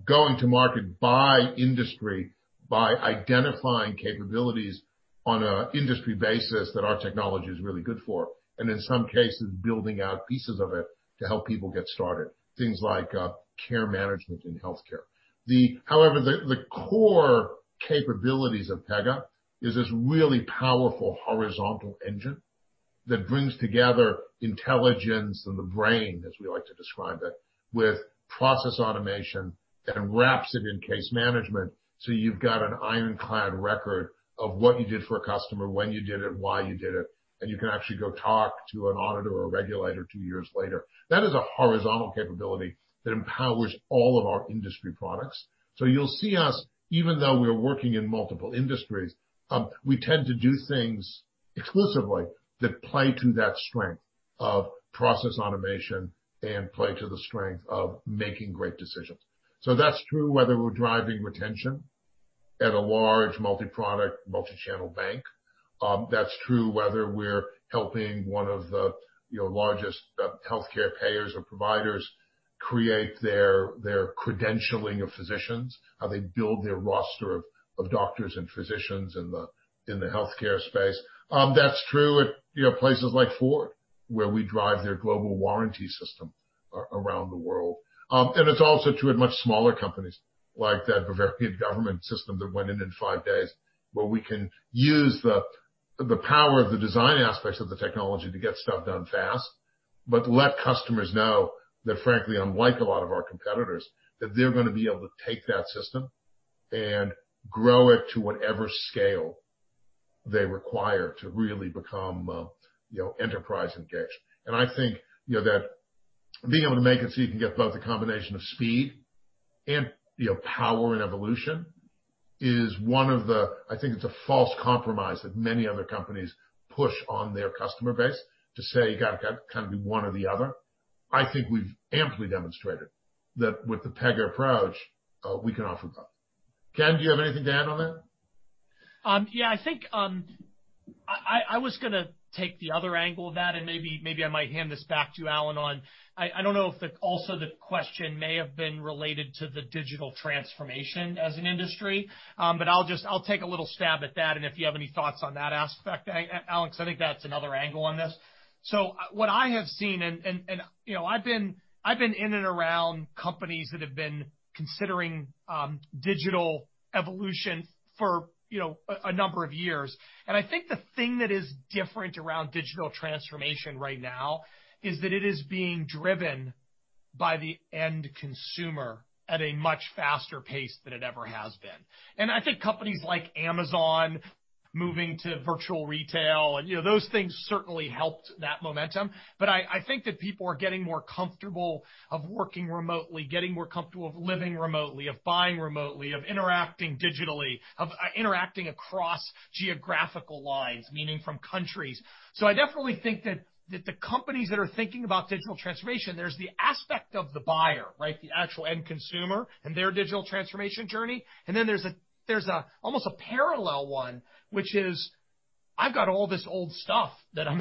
going to market by industry by identifying capabilities on an industry basis that our technology is really good for, and in some cases, building out pieces of it to help people get started. Things like care management in healthcare. However, the core capabilities of Pega is this really powerful horizontal engine that brings together intelligence and the brain, as we like to describe it, with process automation that wraps it in case management. You've got an ironclad record of what you did for a customer, when you did it, why you did it, and you can actually go talk to an auditor or regulator two years later. That is a horizontal capability that empowers all of our industry products. You'll see us, even though we're working in multiple industries, we tend to do things exclusively that play to that strength of process automation and play to the strength of making great decisions. That's true whether we're driving retention at a large multi-product, multi-channel bank. That's true whether we're helping one of the largest healthcare payers or providers create their credentialing of physicians, how they build their roster of doctors and physicians in the healthcare space. That's true at places like Ford, where we drive their global warranty system around the world. It's also true at much smaller companies like that Bavarian State Government system that went in in five days, where we can use the power of the design aspects of the technology to get stuff done fast, but let customers know that frankly, unlike a lot of our competitors, that they're going to be able to take that system and grow it to whatever scale they require to really become enterprise engaged. I think that being able to make it so you can get both the combination of speed and power and evolution is one of the, I think it's a false compromise that many other companies push on their customer base to say you got to kind of do one or the other. I think we've amply demonstrated that with the Pega approach, we can offer both. Ken, do you have anything to add on that? Yeah, I was going to take the other angle of that, and maybe I might hand this back to you, Alan. I don't know if also the question may have been related to the digital transformation as an industry. I'll take a little stab at that, and if you have any thoughts on that aspect, Alan, I think that's another angle on this. What I have seen, and I've been in and around companies that have been considering digital evolution for a number of years. I think the thing that is different around digital transformation right now is that it is being driven by the end consumer at a much faster pace than it ever has been. I think companies like Amazon moving to virtual retail, those things certainly helped that momentum. I think that people are getting more comfortable of working remotely, getting more comfortable of living remotely, of buying remotely, of interacting digitally, of interacting across geographical lines, meaning from countries. I definitely think that the companies that are thinking about digital transformation, there's the aspect of the buyer, the actual end consumer, and their digital transformation journey. Then there's almost a parallel one, which is, I've got all this old stuff that I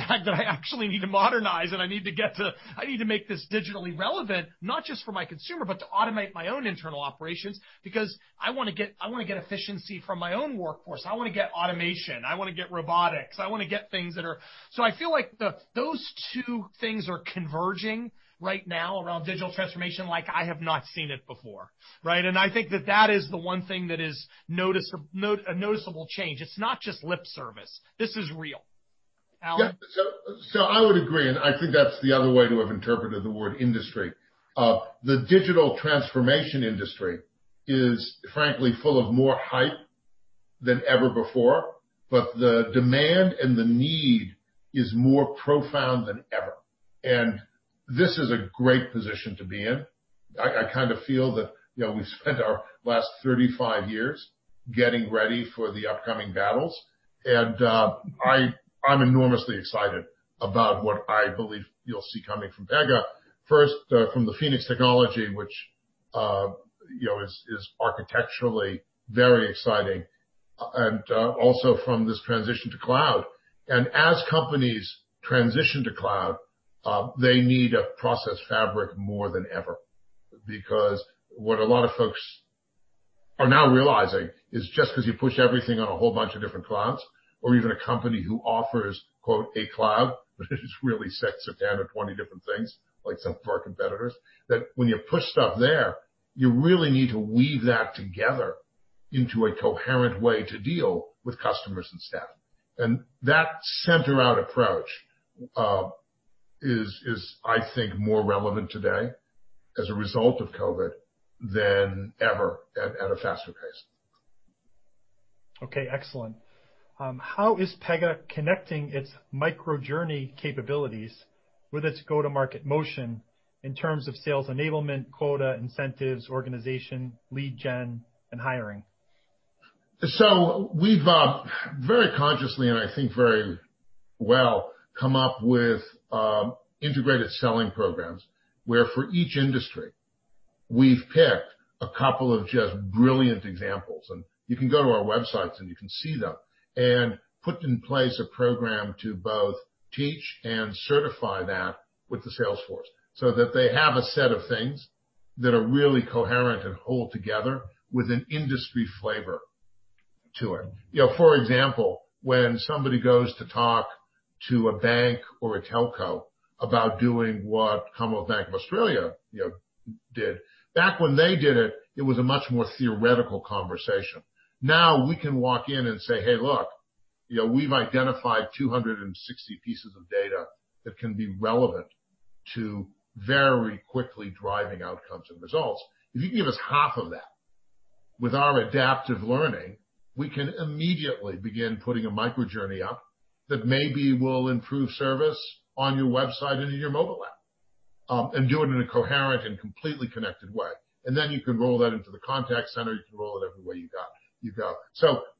actually need to modernize and I need to make this digitally relevant, not just for my consumer, but to automate my own internal operations, because I want to get efficiency from my own workforce. I want to get automation. I want to get robotics. I feel like those two things are converging right now around digital transformation like I have not seen it before, right? I think that that is the one thing that is a noticeable change. It's not just lip service. This is real. Alan? Yeah. I would agree, I think that's the other way to have interpreted the word industry. The digital transformation industry is frankly full of more hype than ever before, but the demand and the need is more profound than ever. This is a great position to be in. I kind of feel that we've spent our last 35 years getting ready for the upcoming battles, and I'm enormously excited about what I believe you'll see coming from Pega. First, from the Phoenix technology, which is architecturally very exciting, and also from this transition to cloud. As companies transition to cloud, they need a Process Fabric more than ever. What a lot of folks are now realizing is just because you push everything on a whole bunch of different clouds, or even a company who offers, quote, "a cloud", but it just really sets it down to 20 different things, like some of our competitors, that when you push stuff there, you really need to weave that together into a coherent way to deal with customers and staff. That center-out approach is, I think, more relevant today as a result of COVID than ever, and at a faster pace. Okay, excellent. How is Pega connecting its Microjourney capabilities with its go-to-market motion in terms of sales enablement, quota, incentives, organization, lead gen, and hiring? We've very consciously and I think very well come up with integrated selling programs, where for each industry, we've picked a couple of just brilliant examples, and you can go to our websites and you can see them, and put in place a program to both teach and certify that with the sales force so that they have a set of things that are really coherent and hold together with an industry flavor to it. For example, when somebody goes to talk to a bank or a telco about doing what Commonwealth Bank of Australia did. Back when they did it was a much more theoretical conversation. Now we can walk in and say, "Hey, look, we've identified 260 pieces of data that can be relevant to very quickly driving outcomes and results. If you can give us half of that, with our adaptive learning, we can immediately begin putting a microjourney up that maybe will improve service on your website and in your mobile app, and do it in a coherent and completely connected way. You can roll that into the contact center, you can roll it everywhere you've got."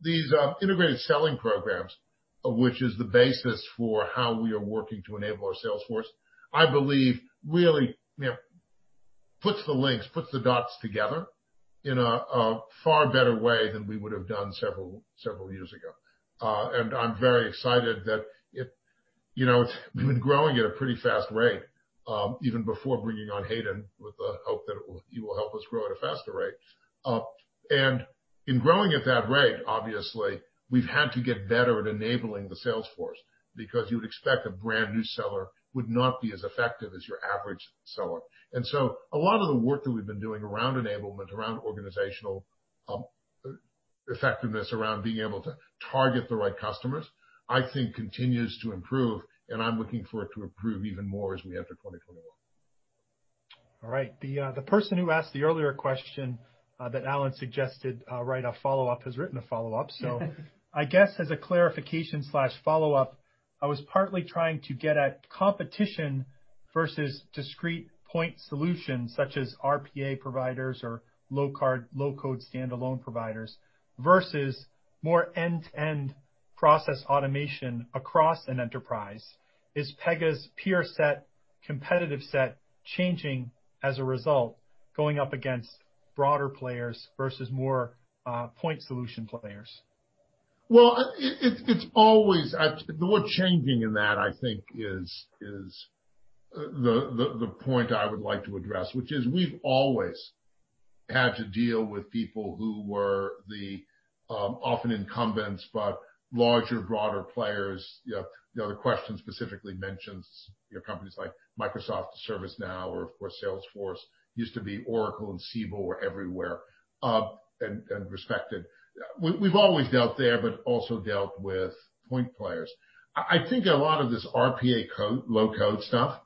These integrated selling programs, which is the basis for how we are working to enable our sales force, I believe really puts the links, puts the dots together in a far better way than we would have done several years ago. I'm very excited that we've been growing at a pretty fast rate, even before bringing on Hayden with the hope that he will help us grow at a faster rate. In growing at that rate, obviously, we've had to get better at enabling the sales force, because you would expect a brand new seller would not be as effective as your average seller. A lot of the work that we've been doing around enablement, around organizational effectiveness, around being able to target the right customers, I think continues to improve, and I'm looking for it to improve even more as we enter 2021. All right. The person who asked the earlier question, that Alan suggested write a follow-up, has written a follow-up. I guess as a clarification/follow-up, I was partly trying to get at competition versus discrete point solutions, such as RPA providers or low-code standalone providers, versus more end-to-end process automation across an enterprise. Is Pega's peer set, competitive set changing as a result, going up against broader players versus more point solution players? The word changing in that I think is the point I would like to address, which is we've always had to deal with people who were the often incumbents, but larger, broader players. The other question specifically mentions companies like Microsoft, ServiceNow, or of course, Salesforce. Used to be Oracle and Siebel were everywhere and respected. We've always dealt there, but also dealt with point players. I think a lot of this RPA low-code stuff,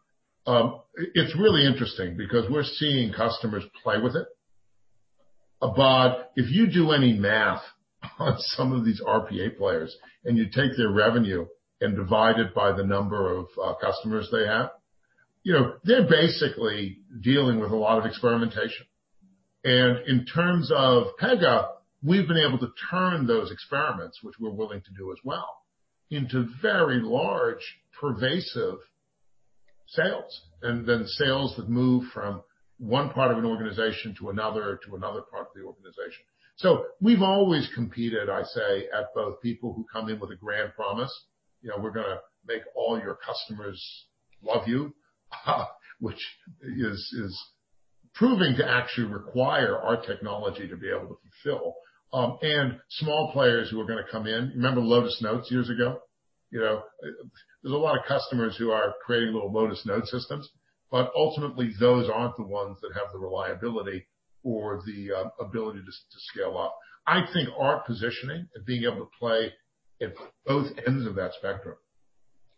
it's really interesting because we're seeing customers play with it. If you do any math on some of these RPA players and you take their revenue and divide it by the number of customers they have, they're basically dealing with a lot of experimentation. In terms of Pega, we've been able to turn those experiments, which we're willing to do as well, into very large, pervasive sales. Sales that move from one part of an organization to another, to another part of the organization. We've always competed, I say, at both people who come in with a grand promise, we're going to make all your customers love you, which is proving to actually require our technology to be able to fulfill. Small players who are going to come in. You remember Lotus Notes years ago? There's a lot of customers who are creating little Lotus Notes systems, but ultimately, those aren't the ones that have the reliability or the ability to scale up. I think our positioning and being able to play at both ends of that spectrum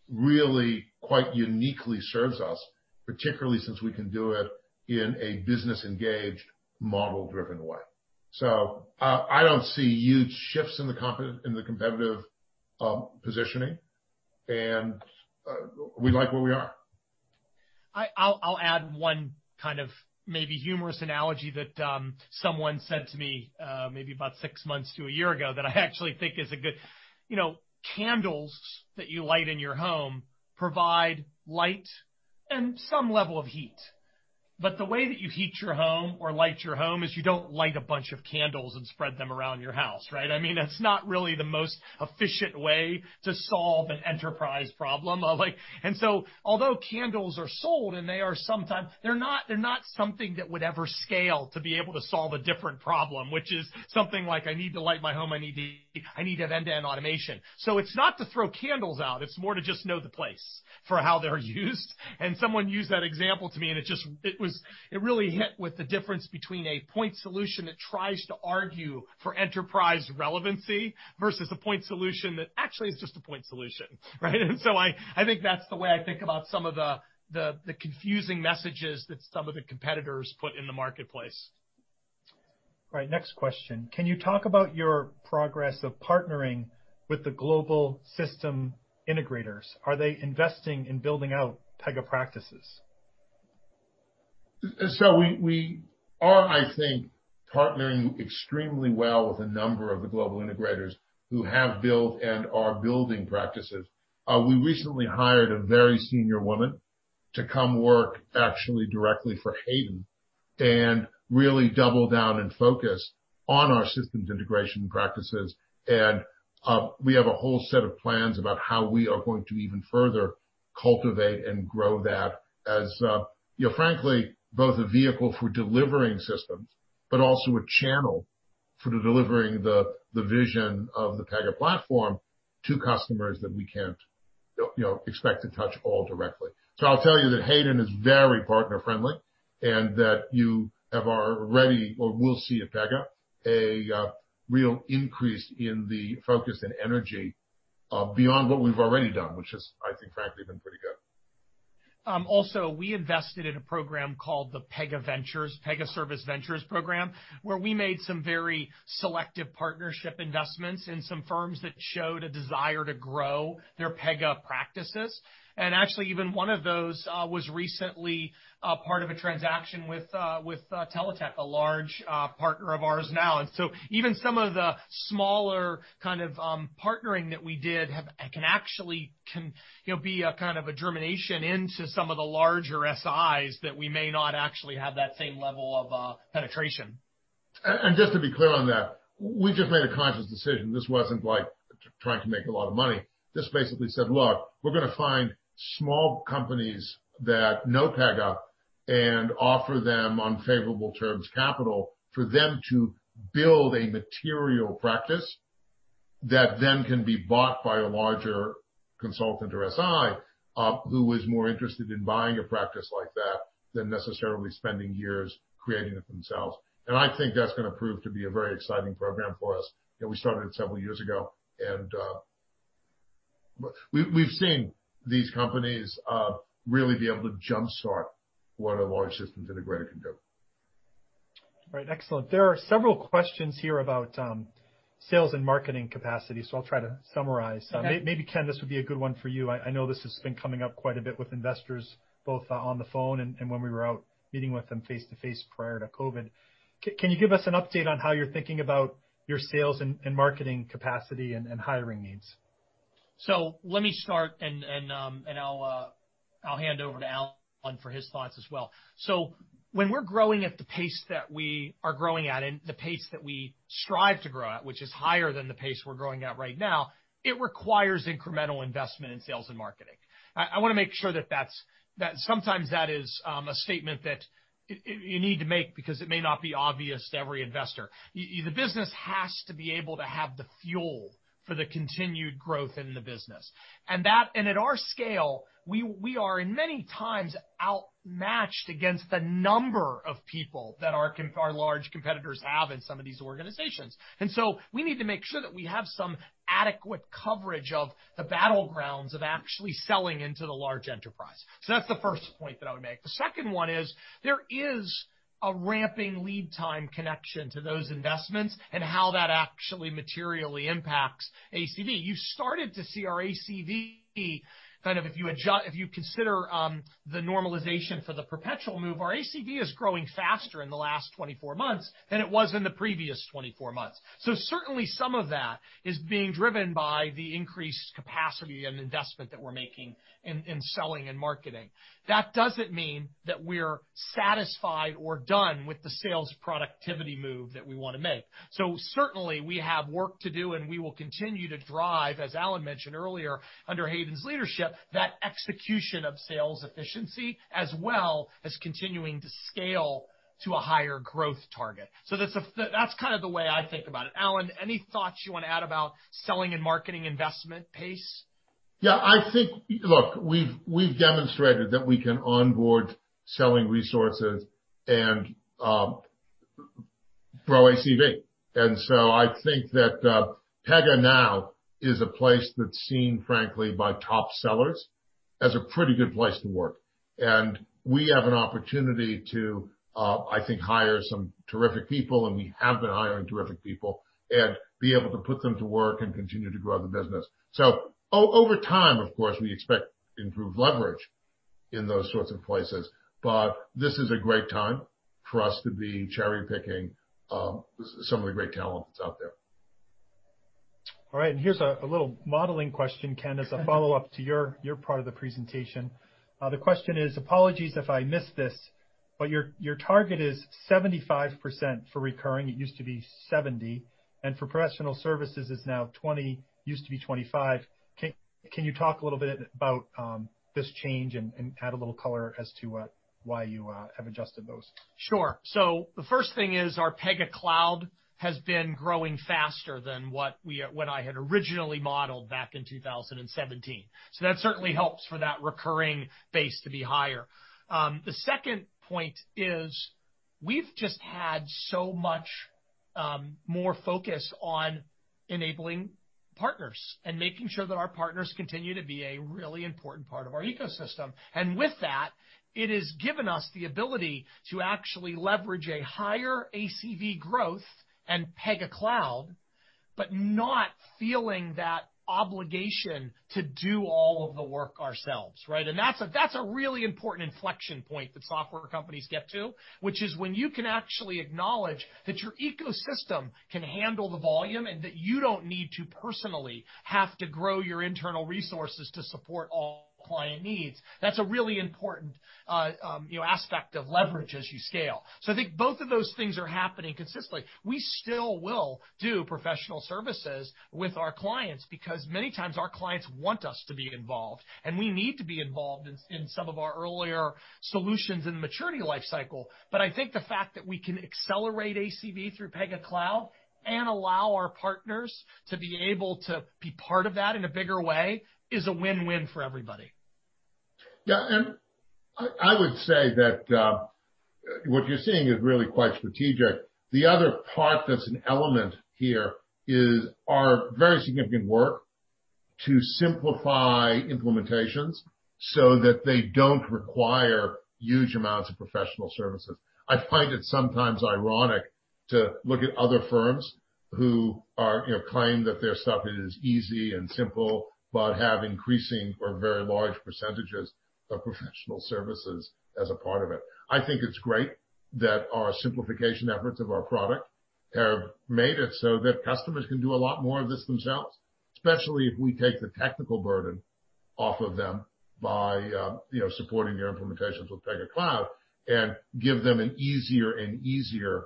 really quite uniquely serves us, particularly since we can do it in a business-engaged, model-driven way. I don't see huge shifts in the competitive positioning, and we like where we are. I'll add one kind of maybe humorous analogy that someone said to me maybe about six months to a year ago that I actually think is a good. Candles that you light in your home provide light and some level of heat, but the way that you heat your home or light your home is you don't light a bunch of candles and spread them around your house, right? I mean, that's not really the most efficient way to solve an enterprise problem. Although candles are sold, they're not something that would ever scale to be able to solve a different problem, which is something like, I need to light my home, I need to have end-to-end automation. It's not to throw candles out, it's more to just know the place for how they're used. Someone used that example to me, and it really hit with the difference between a point solution that tries to argue for enterprise relevancy versus a point solution that actually is just a point solution. I think that's the way I think about some of the confusing messages that some of the competitors put in the marketplace. Right. Next question. Can you talk about your progress of partnering with the global system integrators? Are they investing in building out Pega practices? We are, I think, partnering extremely well with a number of the global integrators who have built and are building practices. We recently hired a very senior woman to come work actually directly for Hayden and really double down and focus on our systems integration practices. We have a whole set of plans about how we are going to even further cultivate and grow that as, frankly, both a vehicle for delivering systems, but also a channel for delivering the vision of the Pega Platform to customers that we can't expect to touch all directly. I'll tell you that Hayden is very partner friendly and that you have already, or will see at Pega, a real increase in the focus and energy beyond what we've already done, which has, I think, frankly, been pretty good. We invested in a program called the Pega Service Ventures program, where we made some very selective partnership investments in some firms that showed a desire to grow their Pega practices. Actually, even one of those was recently part of a transaction with TTEC, a large partner of ours now. Even some of the smaller kind of partnering that we did can be a kind of a germination into some of the larger SIs that we may not actually have that same level of penetration. Just to be clear on that, we just made a conscious decision. This wasn't like trying to make a lot of money. Just basically said, "Look, we're going to find small companies that know Pega and offer them on favorable terms capital for them to build a material practice that then can be bought by a larger consultant or SI who is more interested in buying a practice like that than necessarily spending years creating it themselves." I think that's going to prove to be a very exciting program for us. We started it several years ago, and we've seen these companies really be able to jumpstart what a large systems integrator can do. Right. Excellent. There are several questions here about sales and marketing capacity. I'll try to summarize. Maybe Ken, this would be a good one for you. I know this has been coming up quite a bit with investors, both on the phone and when we were out meeting with them face-to-face prior to COVID. Can you give us an update on how you're thinking about your sales and marketing capacity and hiring needs? Let me start, and I'll hand over to Alan for his thoughts as well. When we're growing at the pace that we are growing at and the pace that we strive to grow at, which is higher than the pace we're growing at right now, it requires incremental investment in sales and marketing. I want to make sure that sometimes that is a statement that you need to make because it may not be obvious to every investor. The business has to be able to have the fuel for the continued growth in the business. At our scale, we are in many times outmatched against the number of people that our large competitors have in some of these organizations. We need to make sure that we have some adequate coverage of the battlegrounds of actually selling into the large enterprise. That's the first point that I would make. The second one is there is a ramping lead time connection to those investments and how that actually materially impacts ACV. You started to see our ACV, kind of if you consider the normalization for the perpetual move, our ACV is growing faster in the last 24 months than it was in the previous 24 months. Certainly some of that is being driven by the increased capacity and investment that we're making in selling and marketing. That doesn't mean that we're satisfied or done with the sales productivity move that we want to make. Certainly we have work to do, and we will continue to drive, as Alan mentioned earlier, under Hayden's leadership, that execution of sales efficiency as well as continuing to scale to a higher growth target. That's kind of the way I think about it. Alan, any thoughts you want to add about selling and marketing investment pace? Yeah, I think, look, we've demonstrated that we can onboard selling resources and grow ACV. I think that Pega now is a place that's seen, frankly, by top sellers as a pretty good place to work. We have an opportunity to, I think, hire some terrific people, and we have been hiring terrific people, and be able to put them to work and continue to grow the business. Over time, of course, we expect improved leverage in those sorts of places. This is a great time for us to be cherry-picking some of the great talent that's out there. All right. Here's a little modeling question, Ken, as a follow-up to your part of the presentation. The question is, apologies if I missed this, but your target is 75% for recurring. It used to be 70%. For professional services, it's now 20%, used to be 25%. Can you talk a little bit about this change and add a little color as to why you have adjusted those? Sure. The first thing is our Pega Cloud has been growing faster than what I had originally modeled back in 2017. That certainly helps for that recurring base to be higher. The second point is we've just had so much more focus on enabling partners and making sure that our partners continue to be a really important part of our ecosystem. With that, it has given us the ability to actually leverage a higher ACV growth and Pega Cloud, but not feeling that obligation to do all of the work ourselves, right? That's a really important inflection point that software companies get to, which is when you can actually acknowledge that your ecosystem can handle the volume and that you don't need to personally have to grow your internal resources to support all client needs. That's a really important aspect of leverage as you scale. I think both of those things are happening consistently. We still will do professional services with our clients because many times our clients want us to be involved, and we need to be involved in some of our earlier solutions in the maturity life cycle. I think the fact that we can accelerate ACV through Pega Cloud and allow our partners to be able to be part of that in a bigger way is a win-win for everybody. I would say that what you're seeing is really quite strategic. The other part that's an element here is our very significant work to simplify implementations so that they don't require huge amounts of professional services. I find it sometimes ironic to look at other firms who claim that their stuff is easy and simple, but have increasing or very large percentages of professional services as a part of it. I think it's great that our simplification efforts of our product have made it so that customers can do a lot more of this themselves, especially if we take the technical burden off of them by supporting their implementations with Pega Cloud and give them an easier and easier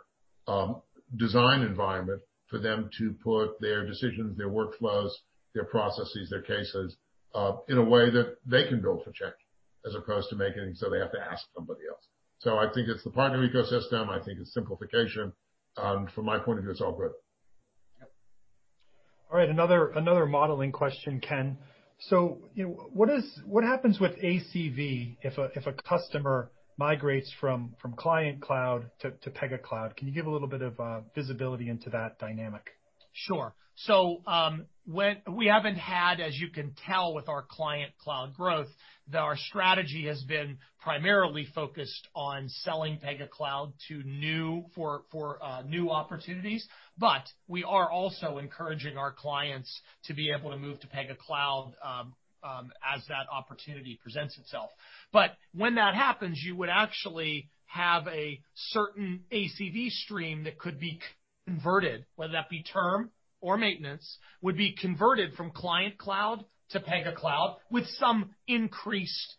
design environment for them to put their decisions, their workflows, their processes, their cases in a way that they can build for change as opposed to making it so they have to ask somebody else. I think it's the partner ecosystem. I think it's simplification. From my point of view, it's all good. Yep. All right. Another modeling question, Ken. What happens with ACV if a customer migrates from Client Cloud to Pega Cloud? Can you give a little bit of visibility into that dynamic? Sure. We haven't had, as you can tell with our client cloud growth, that our strategy has been primarily focused on selling Pega Cloud for new opportunities. We are also encouraging our clients to be able to move to Pega Cloud, as that opportunity presents itself. When that happens, you would actually have a certain ACV stream that could be converted, whether that be term or maintenance, would be converted from client cloud to Pega Cloud with some increased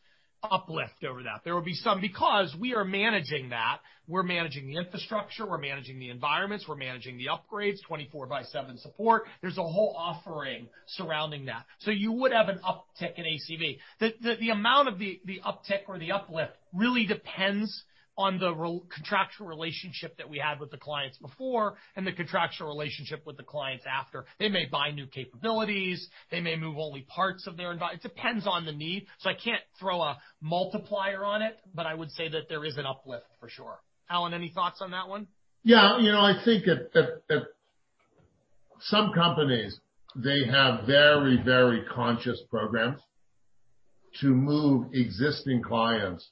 uplift over that. There would be some because we are managing that. We're managing the infrastructure, we're managing the environments, we're managing the upgrades, 24 by seven support. There's a whole offering surrounding that. You would have an uptick in ACV. The amount of the uptick or the uplift really depends on the contractual relationship that we had with the clients before and the contractual relationship with the clients after. They may buy new capabilities, they may move only parts of their environment. It depends on the need. I can't throw a multiplier on it, but I would say that there is an uplift for sure. Alan, any thoughts on that one? I think at some companies, they have very conscious programs to move existing clients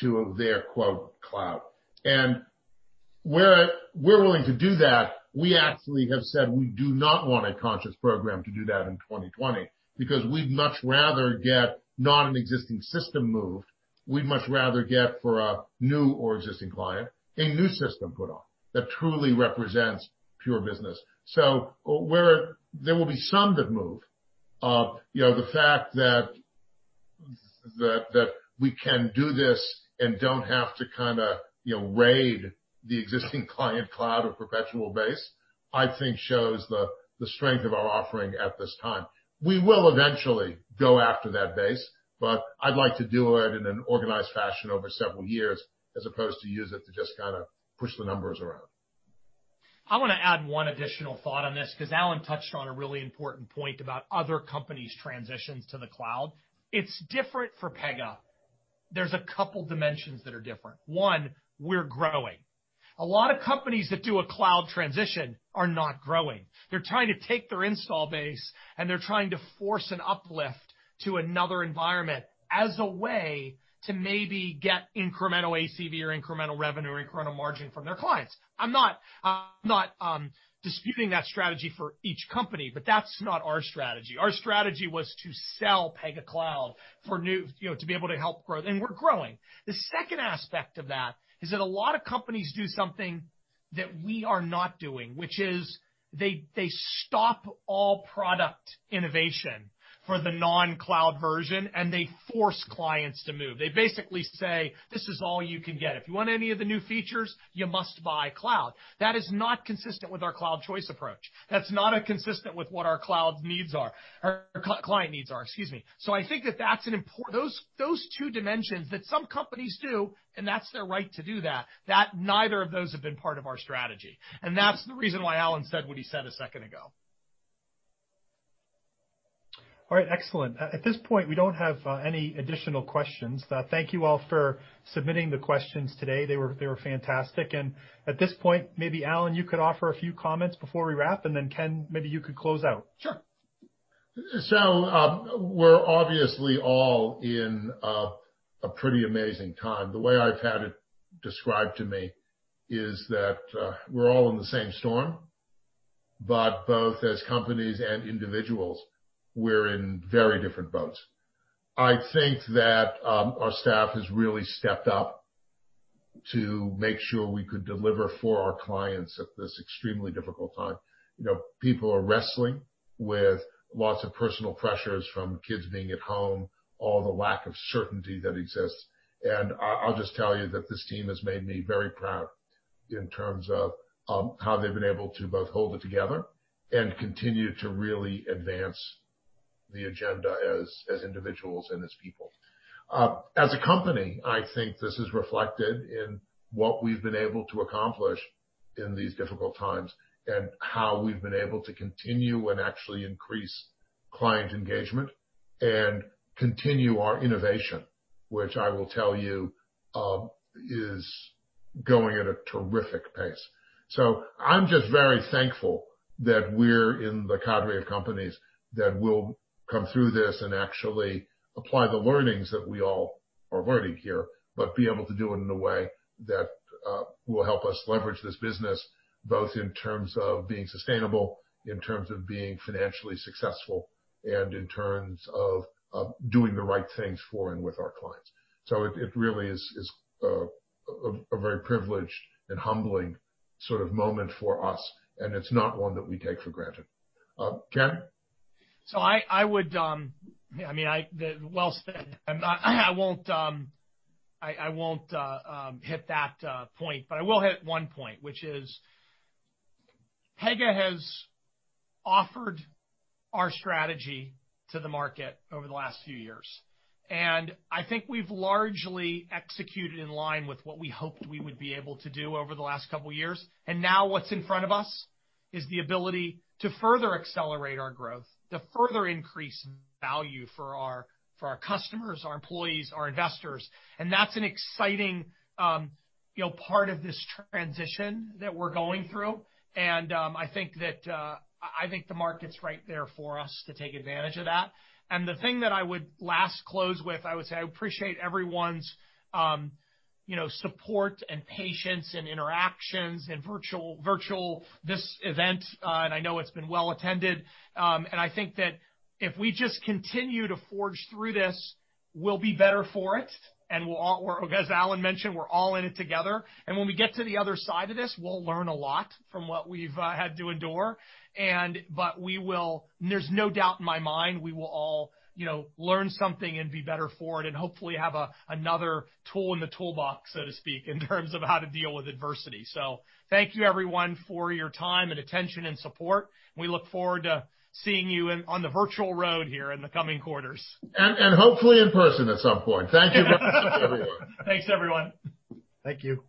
to their quote cloud. Where we're willing to do that, we actually have said we do not want a conscious program to do that in 2020 because we'd much rather get not an existing system moved. We'd much rather get for a new or existing client, a new system put on that truly represents pure business. There will be some that move. The fact that we can do this and don't have to kind of raid the existing client cloud or perpetual base, I think shows the strength of our offering at this time. We will eventually go after that base, I'd like to do it in an organized fashion over several years as opposed to use it to just kind of push the numbers around. I want to add one additional thought on this, because Alan touched on a really important point about other companies' transitions to the cloud. It's different for Pega. There's a couple dimensions that are different. One, we're growing. A lot of companies that do a cloud transition are not growing. They're trying to take their install base, and they're trying to force an uplift to another environment as a way to maybe get incremental ACV or incremental revenue or incremental margin from their clients. I'm not disputing that strategy for each company, but that's not our strategy. Our strategy was to sell Pega Cloud to be able to help growth. We're growing. The second aspect of that is that a lot of companies do something that we are not doing, which is they stop all product innovation for the non-cloud version, and they force clients to move. They basically say, "This is all you can get. If you want any of the new features, you must buy cloud." That is not consistent with our Cloud Choice approach. That's not consistent with what our client needs are. Excuse me. I think those two dimensions that some companies do, and that's their right to do that, neither of those have been part of our strategy. That's the reason why Alan said what he said a second ago. All right, excellent. At this point, we don't have any additional questions. Thank you all for submitting the questions today. They were fantastic. At this point, maybe Alan, you could offer a few comments before we wrap, and then Ken, maybe you could close out. Sure. We're obviously all in a pretty amazing time. The way I've had it described to me is that we're all in the same storm, but both as companies and individuals, we're in very different boats. I think that our staff has really stepped up to make sure we could deliver for our clients at this extremely difficult time. People are wrestling with lots of personal pressures from kids being at home, all the lack of certainty that exists. I'll just tell you that this team has made me very proud in terms of how they've been able to both hold it together and continue to really advance the agenda as individuals and as people. As a company, I think this is reflected in what we've been able to accomplish in these difficult times, how we've been able to continue and actually increase client engagement and continue our innovation, which I will tell you, is going at a terrific pace. I'm just very thankful that we're in the cadre of companies that will come through this and actually apply the learnings that we all are learning here, but be able to do it in a way that will help us leverage this business, both in terms of being sustainable, in terms of being financially successful, and in terms of doing the right things for and with our clients. It really is a very privileged and humbling sort of moment for us, and it's not one that we take for granted. Ken? Well said. I won't hit that point, but I will hit one point, which is Pega has offered our strategy to the market over the last few years, and I think we've largely executed in line with what we hoped we would be able to do over the last couple of years. Now what's in front of us is the ability to further accelerate our growth, to further increase value for our customers, our employees, our investors. That's an exciting part of this transition that we're going through. I think the market's right there for us to take advantage of that. The thing that I would last close with, I would say I appreciate everyone's support and patience and interactions in virtual this event, and I know it's been well attended. I think that if we just continue to forge through this, we'll be better for it. As Alan mentioned, we're all in it together. When we get to the other side of this, we'll learn a lot from what we've had to endure. There's no doubt in my mind we will all learn something and be better for it and hopefully have another tool in the toolbox, so to speak, in terms of how to deal with adversity. Thank you everyone for your time and attention and support. We look forward to seeing you on the virtual road here in the coming quarters. Hopefully in person at some point. Thank you very much, everyone. Thanks, everyone. Thank you.